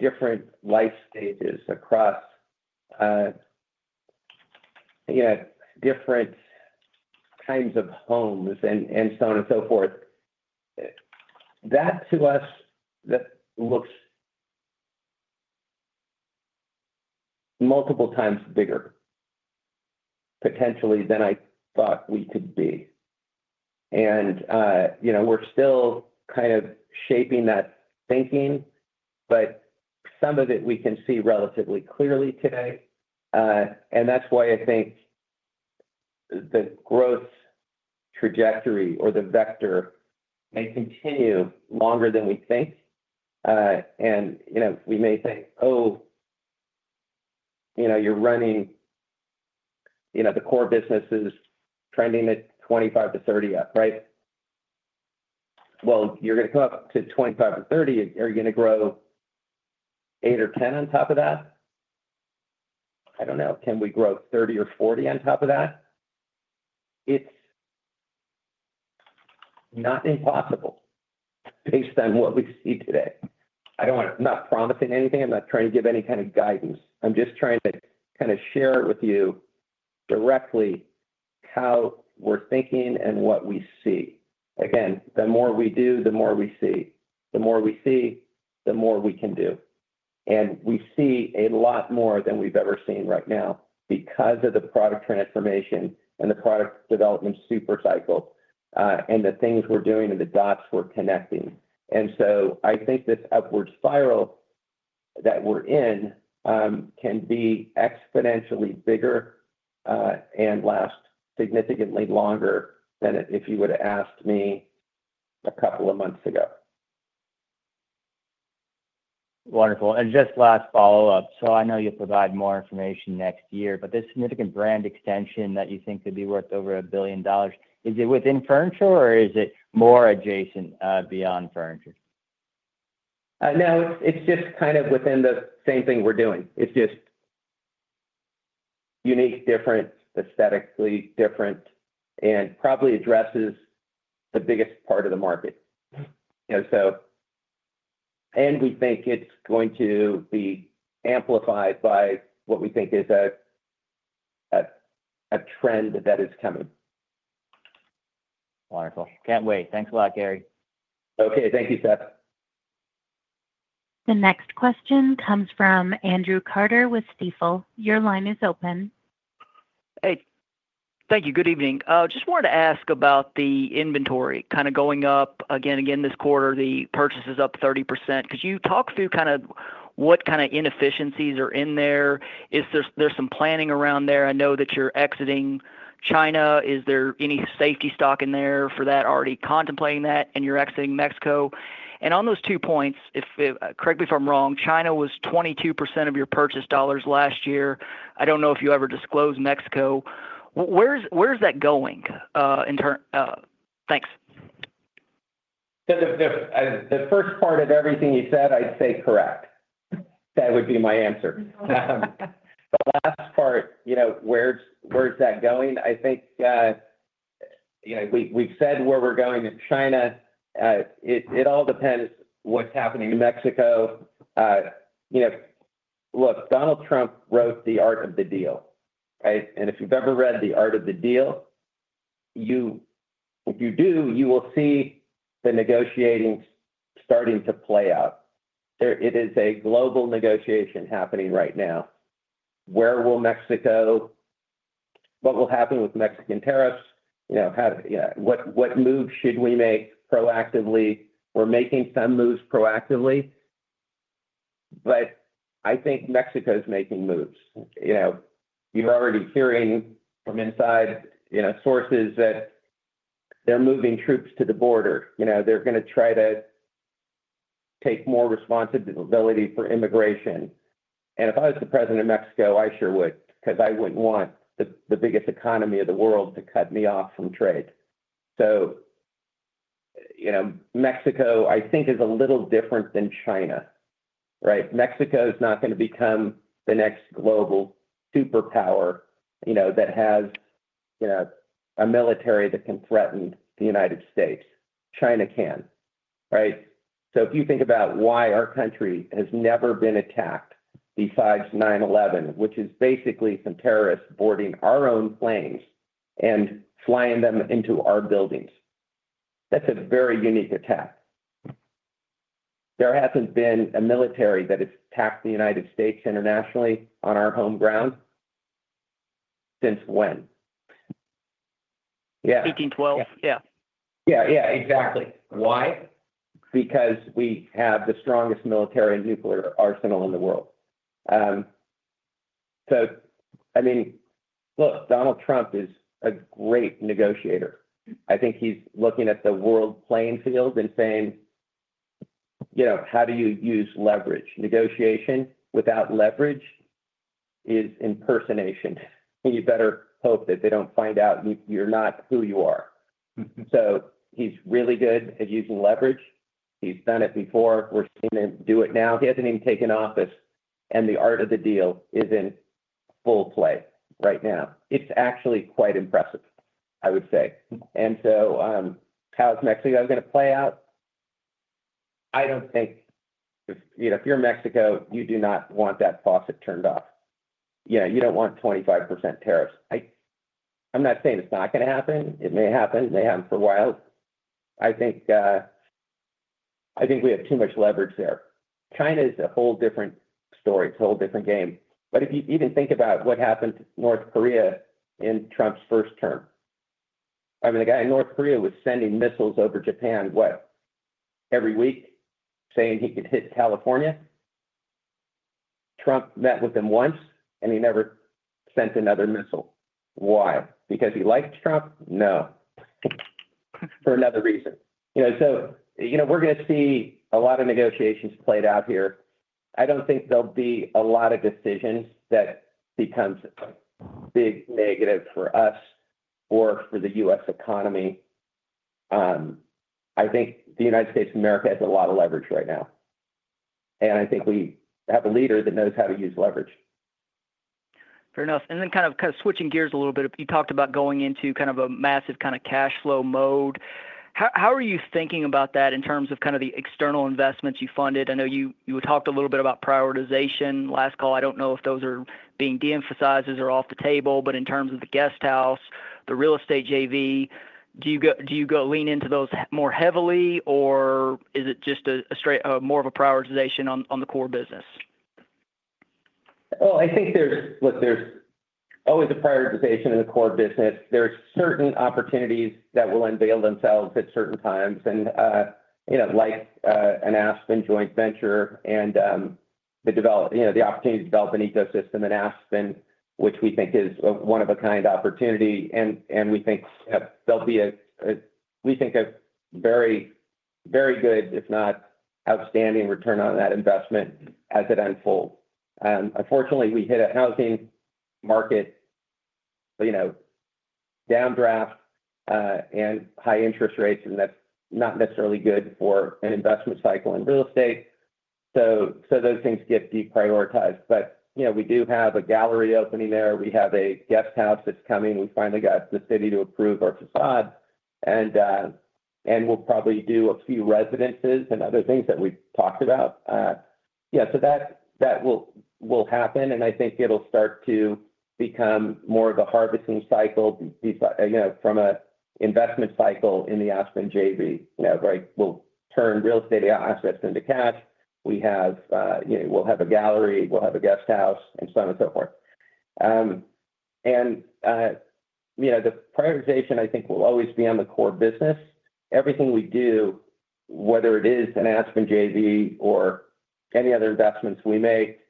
different life stages, across, you know, different kinds of homes and, and so on and so forth, that to us, that looks multiple times bigger, potentially than I thought we could be. And, you know, we're still kind of shaping that thinking, but some of it we can see relatively clearly today. And that's why I think the growth trajectory or the vector may continue longer than we think. And, you know, we may think, oh, you know, you're running, you know, the core business is trending at 25-30 up, right? You're going to come up to 25-30. Are you going to grow eight or 10 on top of that? I don't know. Can we grow 30 or 40 on top of that? It's not impossible based on what we see today. I don't want to, I'm not promising anything. I'm not trying to give any kind of guidance. I'm just trying to kind of share it with you directly how we're thinking and what we see. Again, the more we do, the more we see. The more we see, the more we can do. We see a lot more than we've ever seen right now because of the product transformation and the product development supercycle, and the things we're doing and the dots we're connecting. And so I think this upward spiral that we're in can be exponentially bigger and last significantly longer than if you would have asked me a couple of months ago. Wonderful. And just last follow-up. So I know you'll provide more information next year, but this significant brand extension that you think could be worth over a billion dollars, is it within furniture or is it more adjacent, beyond furniture? No, it's just kind of within the same thing we're doing. It's just unique, different, aesthetically different, and probably addresses the biggest part of the market. You know, so, and we think it's going to be amplified by what we think is a trend that is coming. Wonderful. Can't wait. Thanks a lot, Gary. Okay. Thank you, Seth. The next question comes from Andrew Carter with Stifel. Your line is open. Hey. Thank you. Good evening. Just wanted to ask about the inventory kind of going up again, again this quarter, the purchases up 30%. Could you talk through kind of what kind of inefficiencies are in there? Is there, there's some planning around there? I know that you're exiting China. Is there any safety stock in there for that? Already contemplating that and you're exiting Mexico. And on those two points, if, if, correct me if I'm wrong, China was 22% of your purchase dollars last year. I don't know if you ever disclosed Mexico. Where's, where's that going? In turn, thanks. The first part of everything you said, I'd say correct. That would be my answer. The last part, you know, where's, where's that going? I think, you know, we, we've said where we're going in China. It, it all depends what's happening in Mexico. You know, look, Donald Trump wrote The Art of the Deal, right? And if you've ever read The Art of the Deal, you, if you do, you will see the negotiating starting to play out. There, it is a global negotiation happening right now. Where will Mexico, what will happen with Mexican tariffs? You know, how, you know, what moves should we make proactively? We're making some moves proactively, but I think Mexico's making moves. You know, you're already hearing from inside, you know, sources that they're moving troops to the border. You know, they're going to try to take more responsibility for immigration. And if I was the president of Mexico, I sure would, because I wouldn't want the biggest economy of the world to cut me off from trade. So, you know, Mexico, I think, is a little different than China, right? Mexico's not going to become the next global superpower, you know, that has, you know, a military that can threaten the United States. China can, right? So if you think about why our country has never been attacked besides 9/11, which is basically some terrorists boarding our own planes and flying them into our buildings, that's a very unique attack. There hasn't been a military that has attacked the United States internationally on our home ground since when. Yeah. Exactly. Why? Because we have the strongest military and nuclear arsenal in the world, so I mean, look, Donald Trump is a great negotiator. I think he's looking at the world playing field and saying, you know, how do you use leverage? Negotiation without leverage is impersonation. You better hope that they don't find out you're not who you are. So he's really good at using leverage. He's done it before. We're seeing him do it now. He hasn't even taken office. And the art of the deal is in full play right now. It's actually quite impressive, I would say. And so, how is Mexico going to play out? I don't think, you know, if you're in Mexico, you do not want that faucet turned off. You know, you don't want 25% tariffs. I, I'm not saying it's not going to happen. It may happen. It may happen for a while. I think, I think we have too much leverage there. China is a whole different story. It's a whole different game. But if you even think about what happened to North Korea in Trump's first term, I mean, the guy in North Korea was sending missiles over Japan, what, every week, saying he could hit California. Trump met with him once, and he never sent another missile. Why? Because he liked Trump? No. For another reason. You know, so, you know, we're going to see a lot of negotiations played out here. I don't think there'll be a lot of decisions that become a big negative for us or for the U.S. economy. I think the United States of America has a lot of leverage right now. And I think we have a leader that knows how to use leverage. Fair enough. And then kind of, kind of switching gears a little bit, you talked about going into kind of a massive kind of cash flow mode. How, how are you thinking about that in terms of kind of the external investments you funded? I know you, you talked a little bit about prioritization last call. I don't know if those are being de-emphasized or off the table, but in terms of the Guesthouse, the real estate JV, do you go, do you go lean into those more heavily, or is it just a straight, a more of a prioritization on, on the core business? I think there's, look, there's always a prioritization in the core business. There's certain opportunities that will unveil themselves at certain times. And, you know, like, an Aspen joint venture and, you know, the opportunity to develop an ecosystem in Aspen, which we think is a one-of-a-kind opportunity. And we think, you know, there'll be a very, very good, if not outstanding return on that investment as it unfolds. Unfortunately, we hit a housing market, you know, downdraft, and high interest rates, and that's not necessarily good for an investment cycle in real estate. So those things get deprioritized. But, you know, we do have a gallery opening there. We have a Guesthouse that's coming. We finally got the city to approve our facade. And we'll probably do a few residences and other things that we've talked about. Yeah, so that will happen. And I think it'll start to become more of a harvesting cycle, you know, from an investment cycle in the Aspen JV, you know, right? We'll turn real estate assets into cash. We have, you know, we'll have a gallery, we'll have a guesthouse, and so on and so forth. And, you know, the prioritization, I think, will always be on the core business. Everything we do, whether it is an Aspen JV or any other investments we make,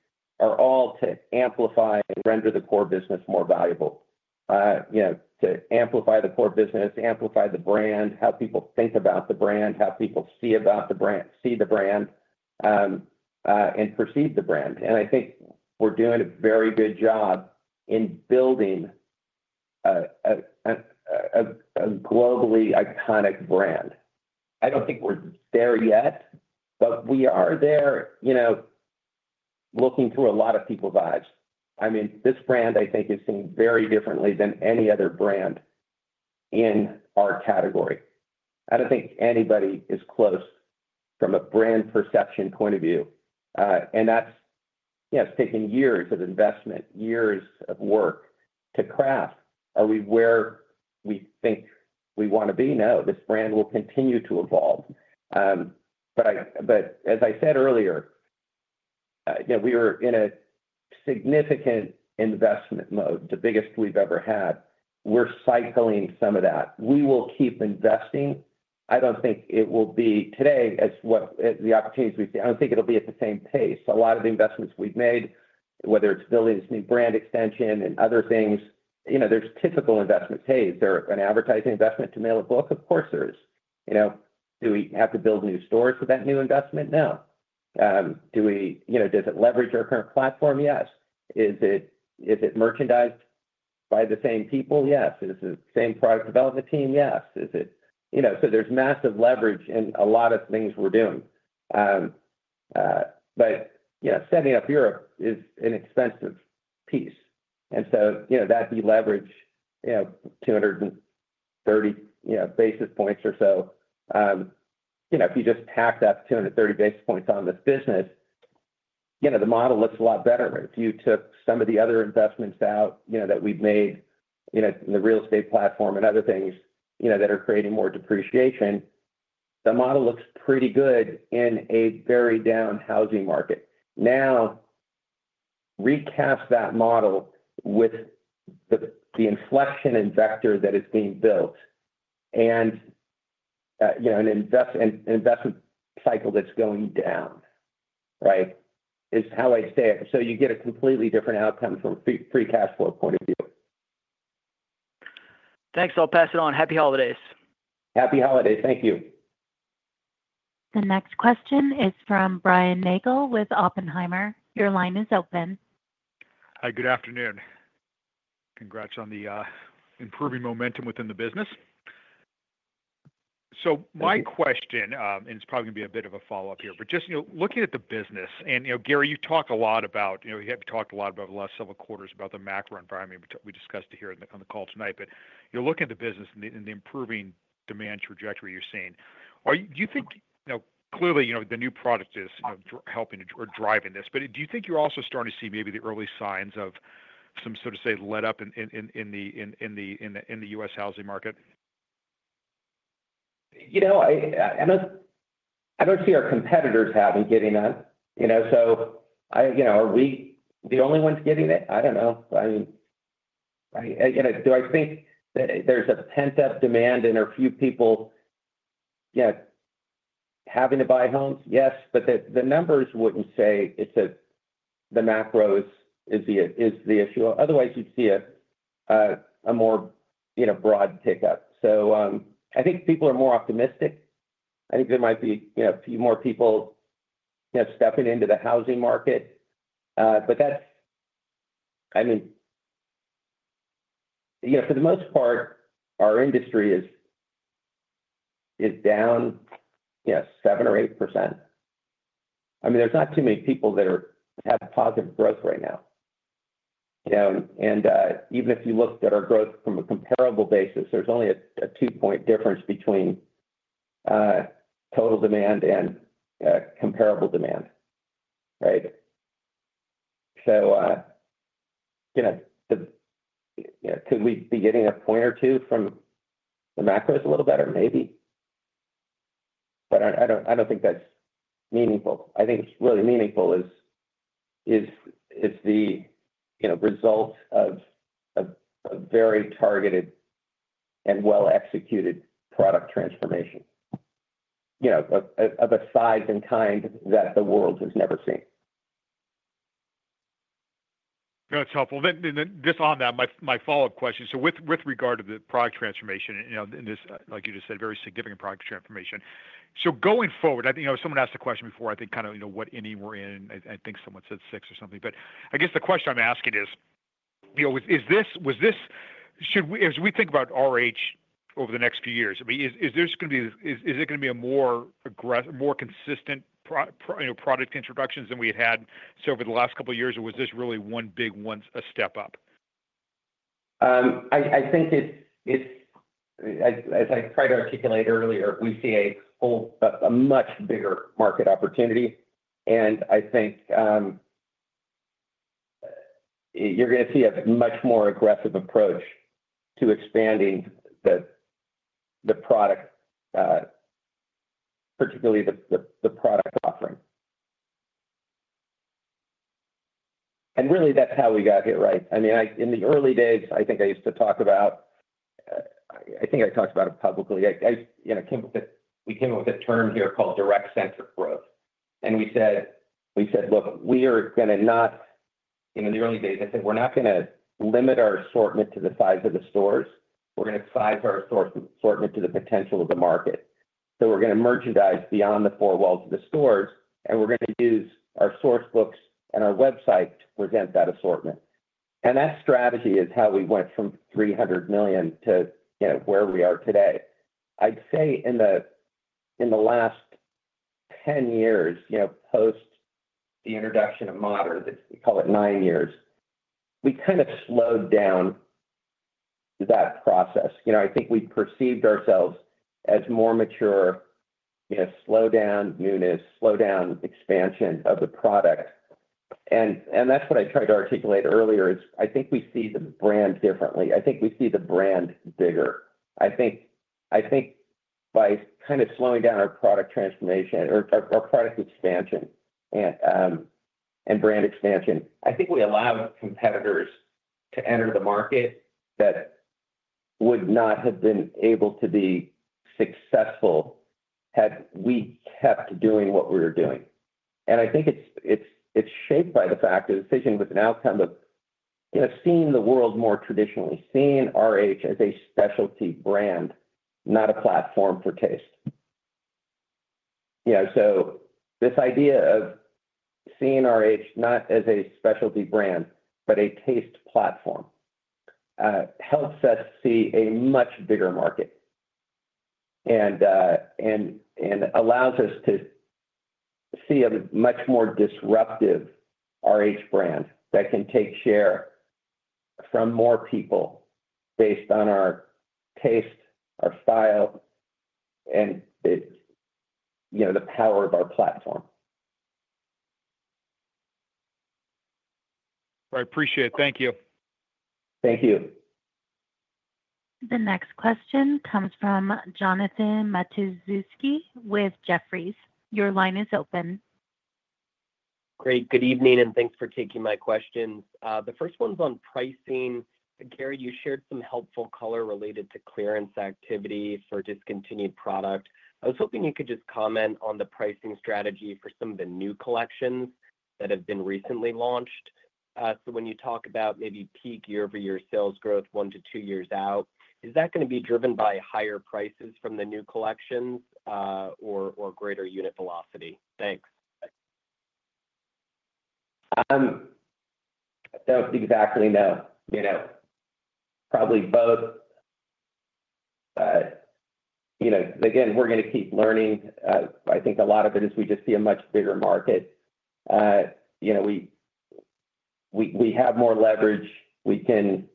are all to amplify and render the core business more valuable, you know, to amplify the core business, amplify the brand, how people think about the brand, how people see about the brand, see the brand, and perceive the brand. And I think we're doing a very good job in building a globally iconic brand. I don't think we're there yet, but we are there, you know, looking through a lot of people's eyes. I mean, this brand, I think, is seen very differently than any other brand in our category. I don't think anybody is close from a brand perception point of view. And that's, you know, it's taken years of investment, years of work to craft. Are we where we think we want to be? No, this brand will continue to evolve. But as I said earlier, you know, we were in a significant investment mode, the biggest we've ever had. We're cycling some of that. We will keep investing. I don't think it will be today as what the opportunities we see. I don't think it'll be at the same pace. A lot of the investments we've made, whether it's building this new brand extension and other things, you know, there's typical investments. Hey, is there an advertising investment to mail a book? Of course there is. You know, do we have to build new stores for that new investment? No. Do we, you know, does it leverage our current platform? Yes. Is it merchandised by the same people? Yes. Is it the same product development team? Yes. Is it, you know, so there's massive leverage in a lot of things we're doing. But, you know, setting up Europe is an expensive piece. And so, you know, that'd be leverage, you know, 230 basis points or so. You know, if you just tack that 230 basis points on this business, you know, the model looks a lot better. If you took some of the other investments out, you know, that we've made, you know, in the real estate platform and other things, you know, that are creating more depreciation, the model looks pretty good in a very down housing market. Now, recast that model with the inflection in vector that is being built and, you know, an investment cycle that's going down, right, is how I'd say it. So you get a completely different outcome from a free cash flow point of view. Thanks. I'll pass it on. Happy holidays. Happy holidays. Thank you. The next question is from Brian Nagel with Oppenheimer. Your line is open. Hi, good afternoon. Congrats on the improving momentum within the business. So my question, and it's probably going to be a bit of a follow-up here, but just, you know, looking at the business and, you know, Gary, you talk a lot about, you know, you have talked a lot about the last several quarters about the macro environment we discussed here on the call tonight, but you're looking at the business and the improving demand trajectory you're seeing. Are you, do you think, you know, clearly, you know, the new product is, you know, helping or driving this, but do you think you're also starting to see maybe the early signs of some, so to say, let up in the U.S. housing market? You know, I don't see our competitors having gotten that, you know. So I, you know, are we the only ones getting it? I don't know. I mean, you know, do I think that there's pent-up demand and a few people, you know, having to buy homes? Yes. But the numbers wouldn't say it's a, the macros is the issue. Otherwise, you'd see a more, you know, broad pickup. So, I think people are more optimistic. I think there might be, you know, a few more people, you know, stepping into the housing market. But that's, I mean, you know, for the most part, our industry is down, you know, 7% or 8%. I mean, there's not too many people that have positive growth right now. You know, and, even if you looked at our growth from a comparable basis, there's only a two-point difference between total demand and comparable demand, right? So, you know, could we be getting a point or two from the macros a little better? Maybe. But I don't think that's meaningful. I think what's really meaningful is the, you know, result of a very targeted and well-executed product transformation, you know, of a size and kind that the world has never seen. That's helpful. Then just on that, my follow-up question. So with regard to the product transformation, you know, and this, like you just said, very significant product transformation. So going forward, I think, you know, someone asked the question before, I think kind of, you know, what inning we're in. I think someone said six or something. But I guess the question I'm asking is, you know, is this, was this, should we, as we think about RH over the next few years, I mean, is there just going to be, is it going to be a more aggressive, more consistent pro, you know, product introductions than we had had so over the last couple of years? Or was this really one big one, a step up? I think it's as I tried to articulate earlier, we see a whole much bigger market opportunity. And I think you're going to see a much more aggressive approach to expanding the product, particularly the product offering. And really, that's how we got here, right? I mean, in the early days, I think I used to talk about. I think I talked about it publicly. You know, we came up with a term here called direct centric growth. And we said, look, we are going to not, you know, in the early days, I said, we're not going to limit our assortment to the size of the stores. We're going to size our assortment to the potential of the market. So we're going to merchandise beyond the four walls of the stores, and we're going to use our Source Books and our website to present that assortment. And that strategy is how we went from $300 million to, you know, where we are today. I'd say in the last 10 years, you know, post the introduction of Modern, we call it nine years, we kind of slowed down that process. You know, I think we perceived ourselves as more mature, you know, slow down, newness, slow down expansion of the product. And that's what I tried to articulate earlier is I think we see the brand differently. I think we see the brand bigger. I think by kind of slowing down our product transformation or our product expansion and brand expansion, I think we allowed competitors to enter the market that would not have been able to be successful had we kept doing what we were doing. And I think it's shaped by the fact that the decision was an outcome of, you know, seeing the world more traditionally, seeing RH as a specialty brand, not a platform for taste. You know, so this idea of seeing RH not as a specialty brand, but a taste platform, helps us see a much bigger market and allows us to see a much more disruptive RH brand that can take share from more people based on our taste, our style, and the, you know, the power of our platform. I appreciate it. Thank you. Thank you. The next question comes from Jonathan Matuszewski with Jefferies. Your line is open. Great. Good evening, and thanks for taking my questions. The first one's on pricing. Gary, you shared some helpful color related to clearance activity for discontinued product. I was hoping you could just comment on the pricing strategy for some of the new collections that have been recently launched. So when you talk about maybe peak year-over-year sales growth one to two years out, is that going to be driven by higher prices from the new collections, or greater unit velocity? Thanks. That's exactly no, you know, probably both. You know, again, we're going to keep learning. I think a lot of it is we just see a much bigger market. You know, we have more leverage. We can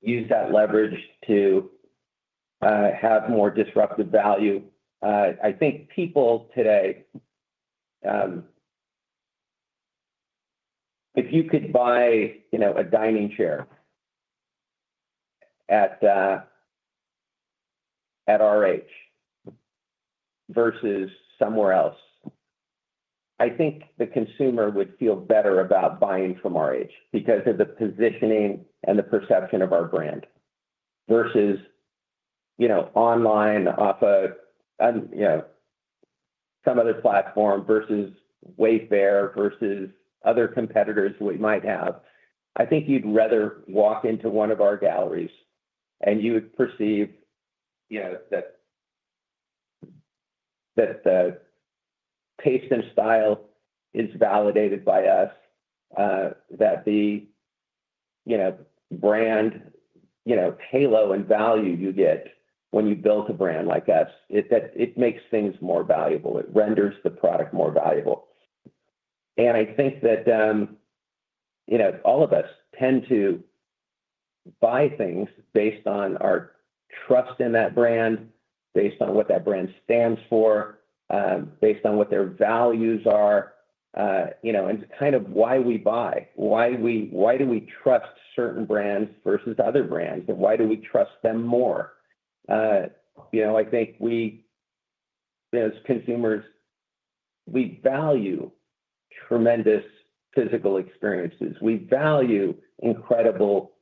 use that leverage to have more disruptive value. I think people today, if you could buy, you know, a dining chair at RH versus somewhere else, I think the consumer would feel better about buying from RH because of the positioning and the perception of our brand versus, you know, online off a, you know, some other platform versus Wayfair versus other competitors we might have. I think you'd rather walk into one of our galleries and you would perceive, you know, that the taste and style is validated by us, that the, you know, brand, you know, halo and value you get when you build a brand like us, it that it makes things more valuable. It renders the product more valuable. I think that, you know, all of us tend to buy things based on our trust in that brand, based on what that brand stands for, based on what their values are, you know, and kind of why we buy, why we, why do we trust certain brands versus other brands, and why do we trust them more? You know, I think we, as consumers, we value tremendous physical experiences. We value incredible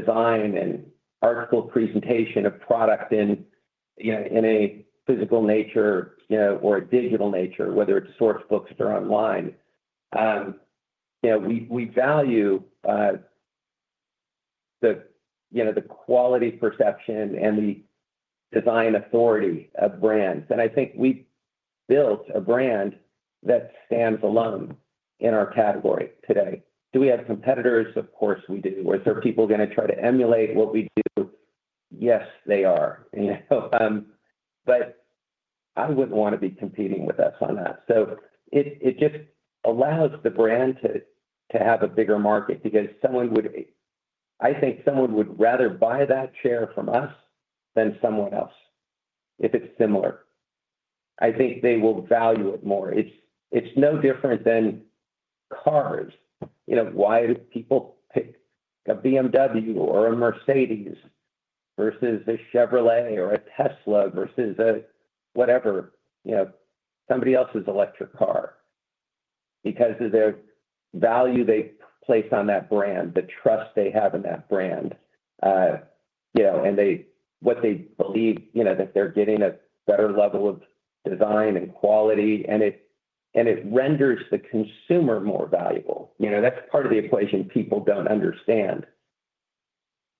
design and artful presentation of product in, you know, in a physical nature, you know, or a digital nature, whether it's Source Books or online. You know, we, we value, the, you know, the quality perception and the design authority of brands. And I think we built a brand that stands alone in our category today. Do we have competitors? Of course we do. Or is there people going to try to emulate what we do? Yes, they are. You know, but I wouldn't want to be competing with us on that. So it, it just allows the brand to, to have a bigger market because someone would, I think someone would rather buy that chair from us than someone else if it's similar. I think they will value it more. It's, it's no different than cars. You know, why do people pick a BMW or a Mercedes versus a Chevrolet or a Tesla versus a whatever, you know, somebody else's electric car? Because of their value they place on that brand, the trust they have in that brand, you know, and they, what they believe, you know, that they're getting a better level of design and quality. And it, and it renders the consumer more valuable. You know, that's part of the equation people don't understand.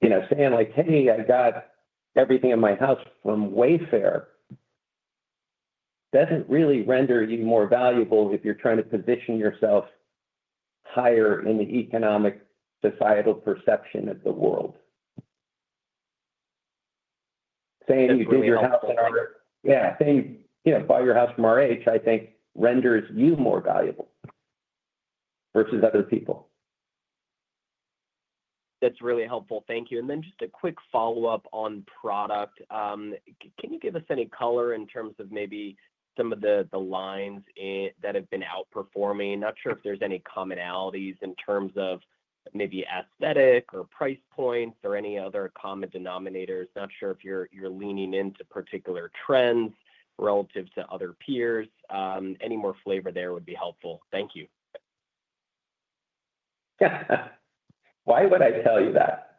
You know, saying like, "Hey, I got everything in my house from Wayfair," doesn't really render you more valuable if you're trying to position yourself higher in the economic societal perception of the world. Saying you build your house in RH, yeah, saying, you know, buy your house from RH, I think renders you more valuable versus other people. That's really helpful. Thank you. And then just a quick follow-up on product. Can you give us any color in terms of maybe some of the, the lines that have been outperforming? Not sure if there's any commonalities in terms of maybe aesthetic or price points or any other common denominators. Not sure if you're, you're leaning into particular trends relative to other peers. Any more flavor there would be helpful. Thank you. Why would I tell you that?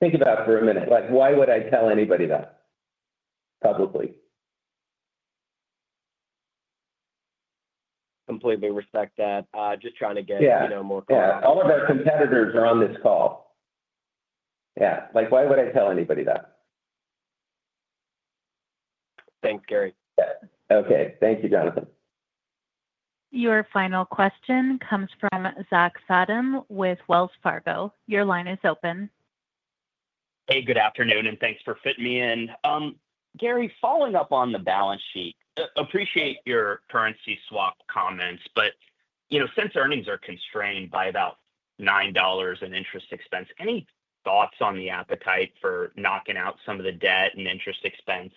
Think about it for a minute. Like, why would I tell anybody that publicly? Completely respect that. Just trying to get, you know, more clarity. Yeah. All of our competitors are on this call. Yeah. Like, why would I tell anybody that? Thanks, Gary. Okay. Thank you, Jonathan. Your final question comes from Zach Fadem with Wells Fargo. Your line is open. Hey, good afternoon, and thanks for fitting me in. Gary, following up on the balance sheet, I appreciate your currency swap comments, but, you know, since earnings are constrained by about $9 in interest expense, any thoughts on the appetite for knocking out some of the debt and interest expense,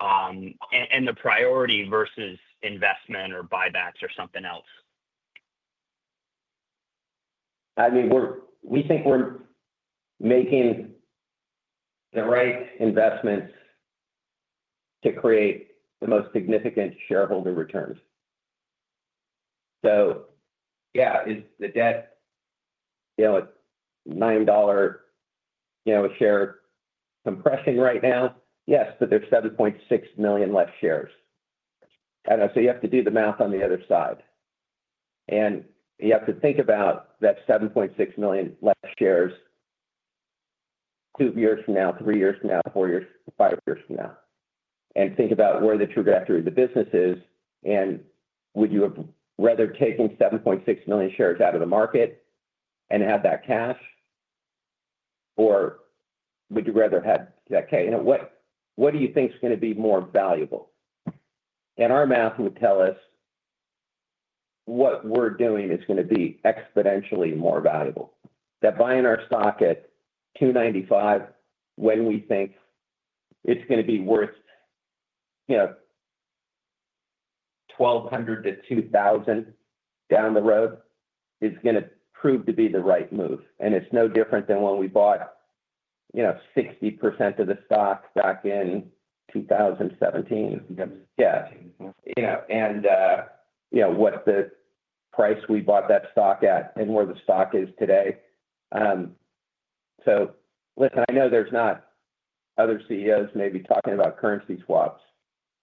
and, and the priority versus investment or buybacks or something else? I mean, we're, we think we're making the right investments to create the most significant shareholder returns. So, yeah, is the debt, you know, at $9, you know, a share compressing right now? Yes, but there's 7.6 million less shares. And so you have to do the math on the other side. And you have to think about that 7.6 million less shares two years from now, three years from now, four years, five years from now, and think about where the trajectory of the business is. And would you have rather taken 7.6 million shares out of the market and had that cash, or would you rather had that cash? You know, what, what do you think is going to be more valuable? And our math would tell us what we're doing is going to be exponentially more valuable. That buying our stock at $295, when we think it's going to be worth, you know, $1,200-$2,000 down the road, is going to prove to be the right move. It's no different than when we bought, you know, 60% of the stock back in 2017. Yeah. Yeah. You know, and, you know, what the price we bought that stock at and where the stock is today. Listen, I know there's not other CEOs maybe talking about currency swaps,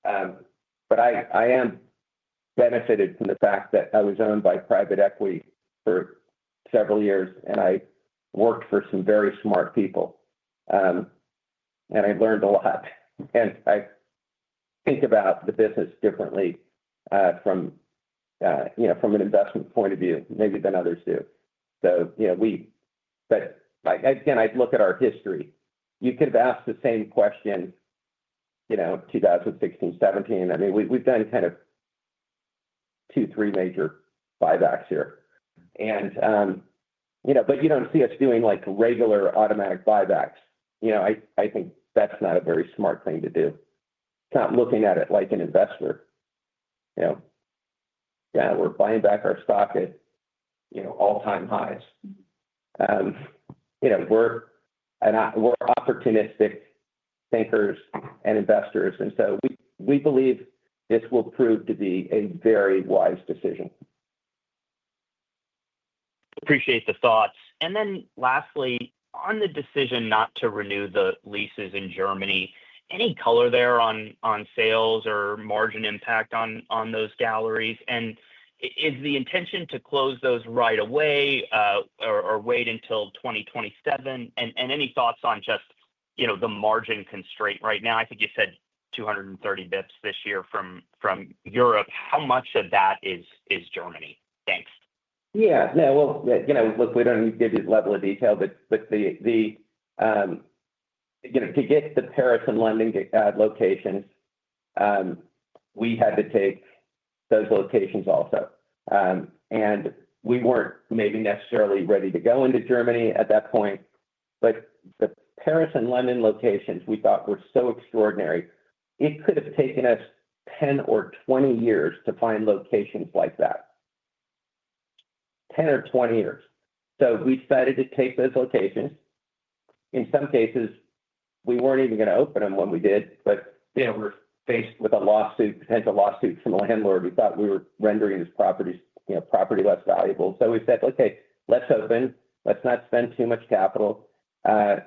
but I am benefited from the fact that I was owned by private equity for several years, and I worked for some very smart people. I learned a lot. I think about the business differently from, you know, an investment point of view, maybe than others do. You know, we, but again, I'd look at our history. You could have asked the same question, you know, 2016, 2017. I mean, we, we've done kind of two, three major buybacks here. You know, but you don't see us doing like regular automatic buybacks. You know, I think that's not a very smart thing to do. It's not looking at it like an investor. You know, yeah, we're buying back our stock at, you know, all-time highs. You know, we're and we're opportunistic thinkers and investors. And so we believe this will prove to be a very wise decision. Appreciate the thoughts. And then lastly, on the decision not to renew the leases in Germany, any color there on sales or margin impact on those galleries? And is the intention to close those right away, or wait until 2027? And any thoughts on just, you know, the margin constraint right now? I think you said 230 basis points this year from Europe. How much of that is Germany? Thanks. Yeah. No, well, you know, look, we don't need to get into level of detail, but the, you know, to get the Paris and London locations, we had to take those locations also. And we weren't maybe necessarily ready to go into Germany at that point, but the Paris and London locations we thought were so extraordinary, it could have taken us 10 or 20 years to find locations like that. 10 or 20 years. So we decided to take those locations. In some cases, we weren't even going to open them when we did, but, you know, we're faced with a lawsuit, potential lawsuit from a landlord. We thought we were rendering these properties, you know, property less valuable. So we said, okay, let's open. Let's not spend too much capital. But,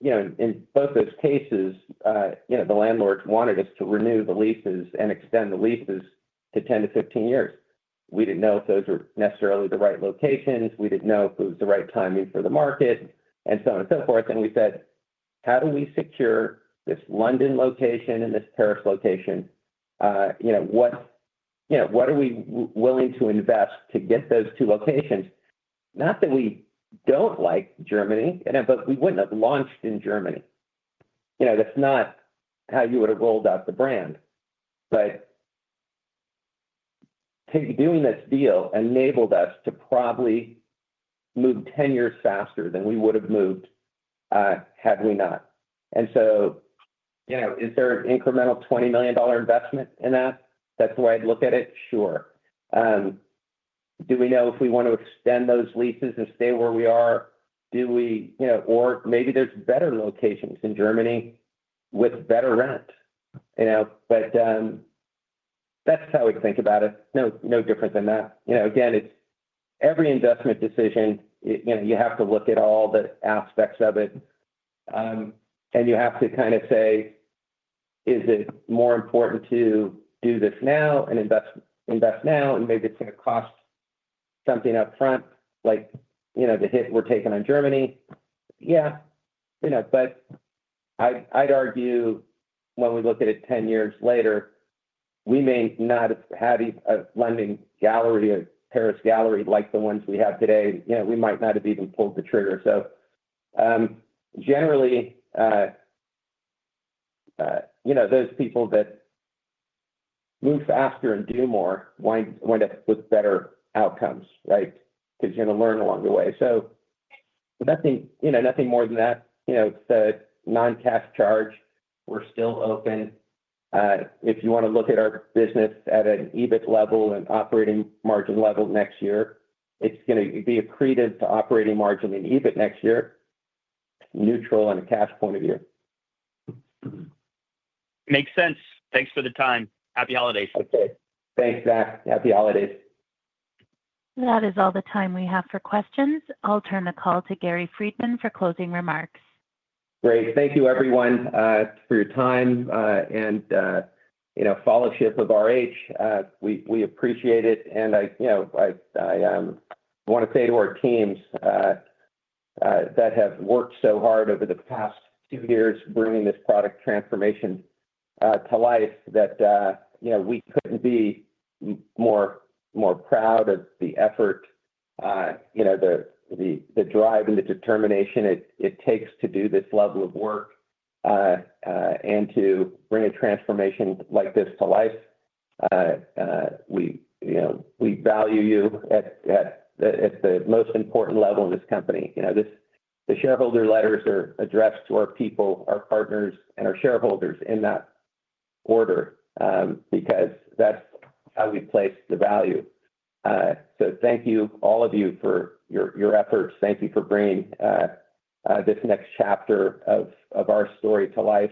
you know, in both those cases, you know, the landlords wanted us to renew the leases and extend the leases to 10 to 15 years. We didn't know if those were necessarily the right locations. We didn't know if it was the right timing for the market and so on and so forth, and we said, how do we secure this London location and this Paris location? You know, what, you know, what are we willing to invest to get those two locations? Not that we don't like Germany, but we wouldn't have launched in Germany. You know, that's not how you would have rolled out the brand. But take doing this deal enabled us to probably move 10 years faster than we would have moved, had we not, and so, you know, is there an incremental $20 million investment in that? That's the way I'd look at it. Sure. Do we know if we want to extend those leases and stay where we are? Do we, you know, or maybe there's better locations in Germany with better rent, you know, but that's how we'd think about it. No, no different than that. You know, again, it's every investment decision, you know, you have to look at all the aspects of it. And you have to kind of say, is it more important to do this now and invest, invest now? And maybe it's going to cost something upfront, like, you know, the hit we're taking on Germany. Yeah, you know, but I'd, I'd argue when we look at it 10 years later, we may not have had a London gallery, a Paris gallery like the ones we have today. You know, we might not have even pulled the trigger. So, generally, you know, those people that move faster and do more wind up with better outcomes, right? Because you're going to learn along the way. So nothing, you know, nothing more than that, you know, the non-cash charge. We're still open. If you want to look at our business at an EBIT level and operating margin level next year, it's going to be accretive to operating margin in EBIT next year. Neutral on a cash point of view. Makes sense. Thanks for the time. Happy holidays. Okay. Thanks, Zach. Happy holidays. That is all the time we have for questions. I'll turn the call to Gary Friedman for closing remarks. Great. Thank you, everyone, for your time, and, you know, follow-up of RH. We appreciate it. I you know want to say to our teams that have worked so hard over the past few years bringing this product transformation to life that you know we couldn't be more proud of the effort you know the drive and the determination it takes to do this level of work and to bring a transformation like this to life. We you know value you at the most important level in this company. You know the shareholder letters are addressed to our people our partners and our shareholders in that order because that's how we place the value. Thank you all of you for your efforts. Thank you for bringing this next chapter of our story to life.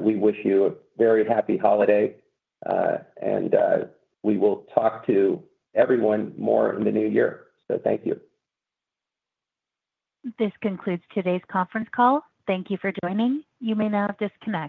We wish you a very happy holiday. And, we will talk to everyone more in the new year. So thank you. This concludes today's conference call. Thank you for joining. You may now disconnect.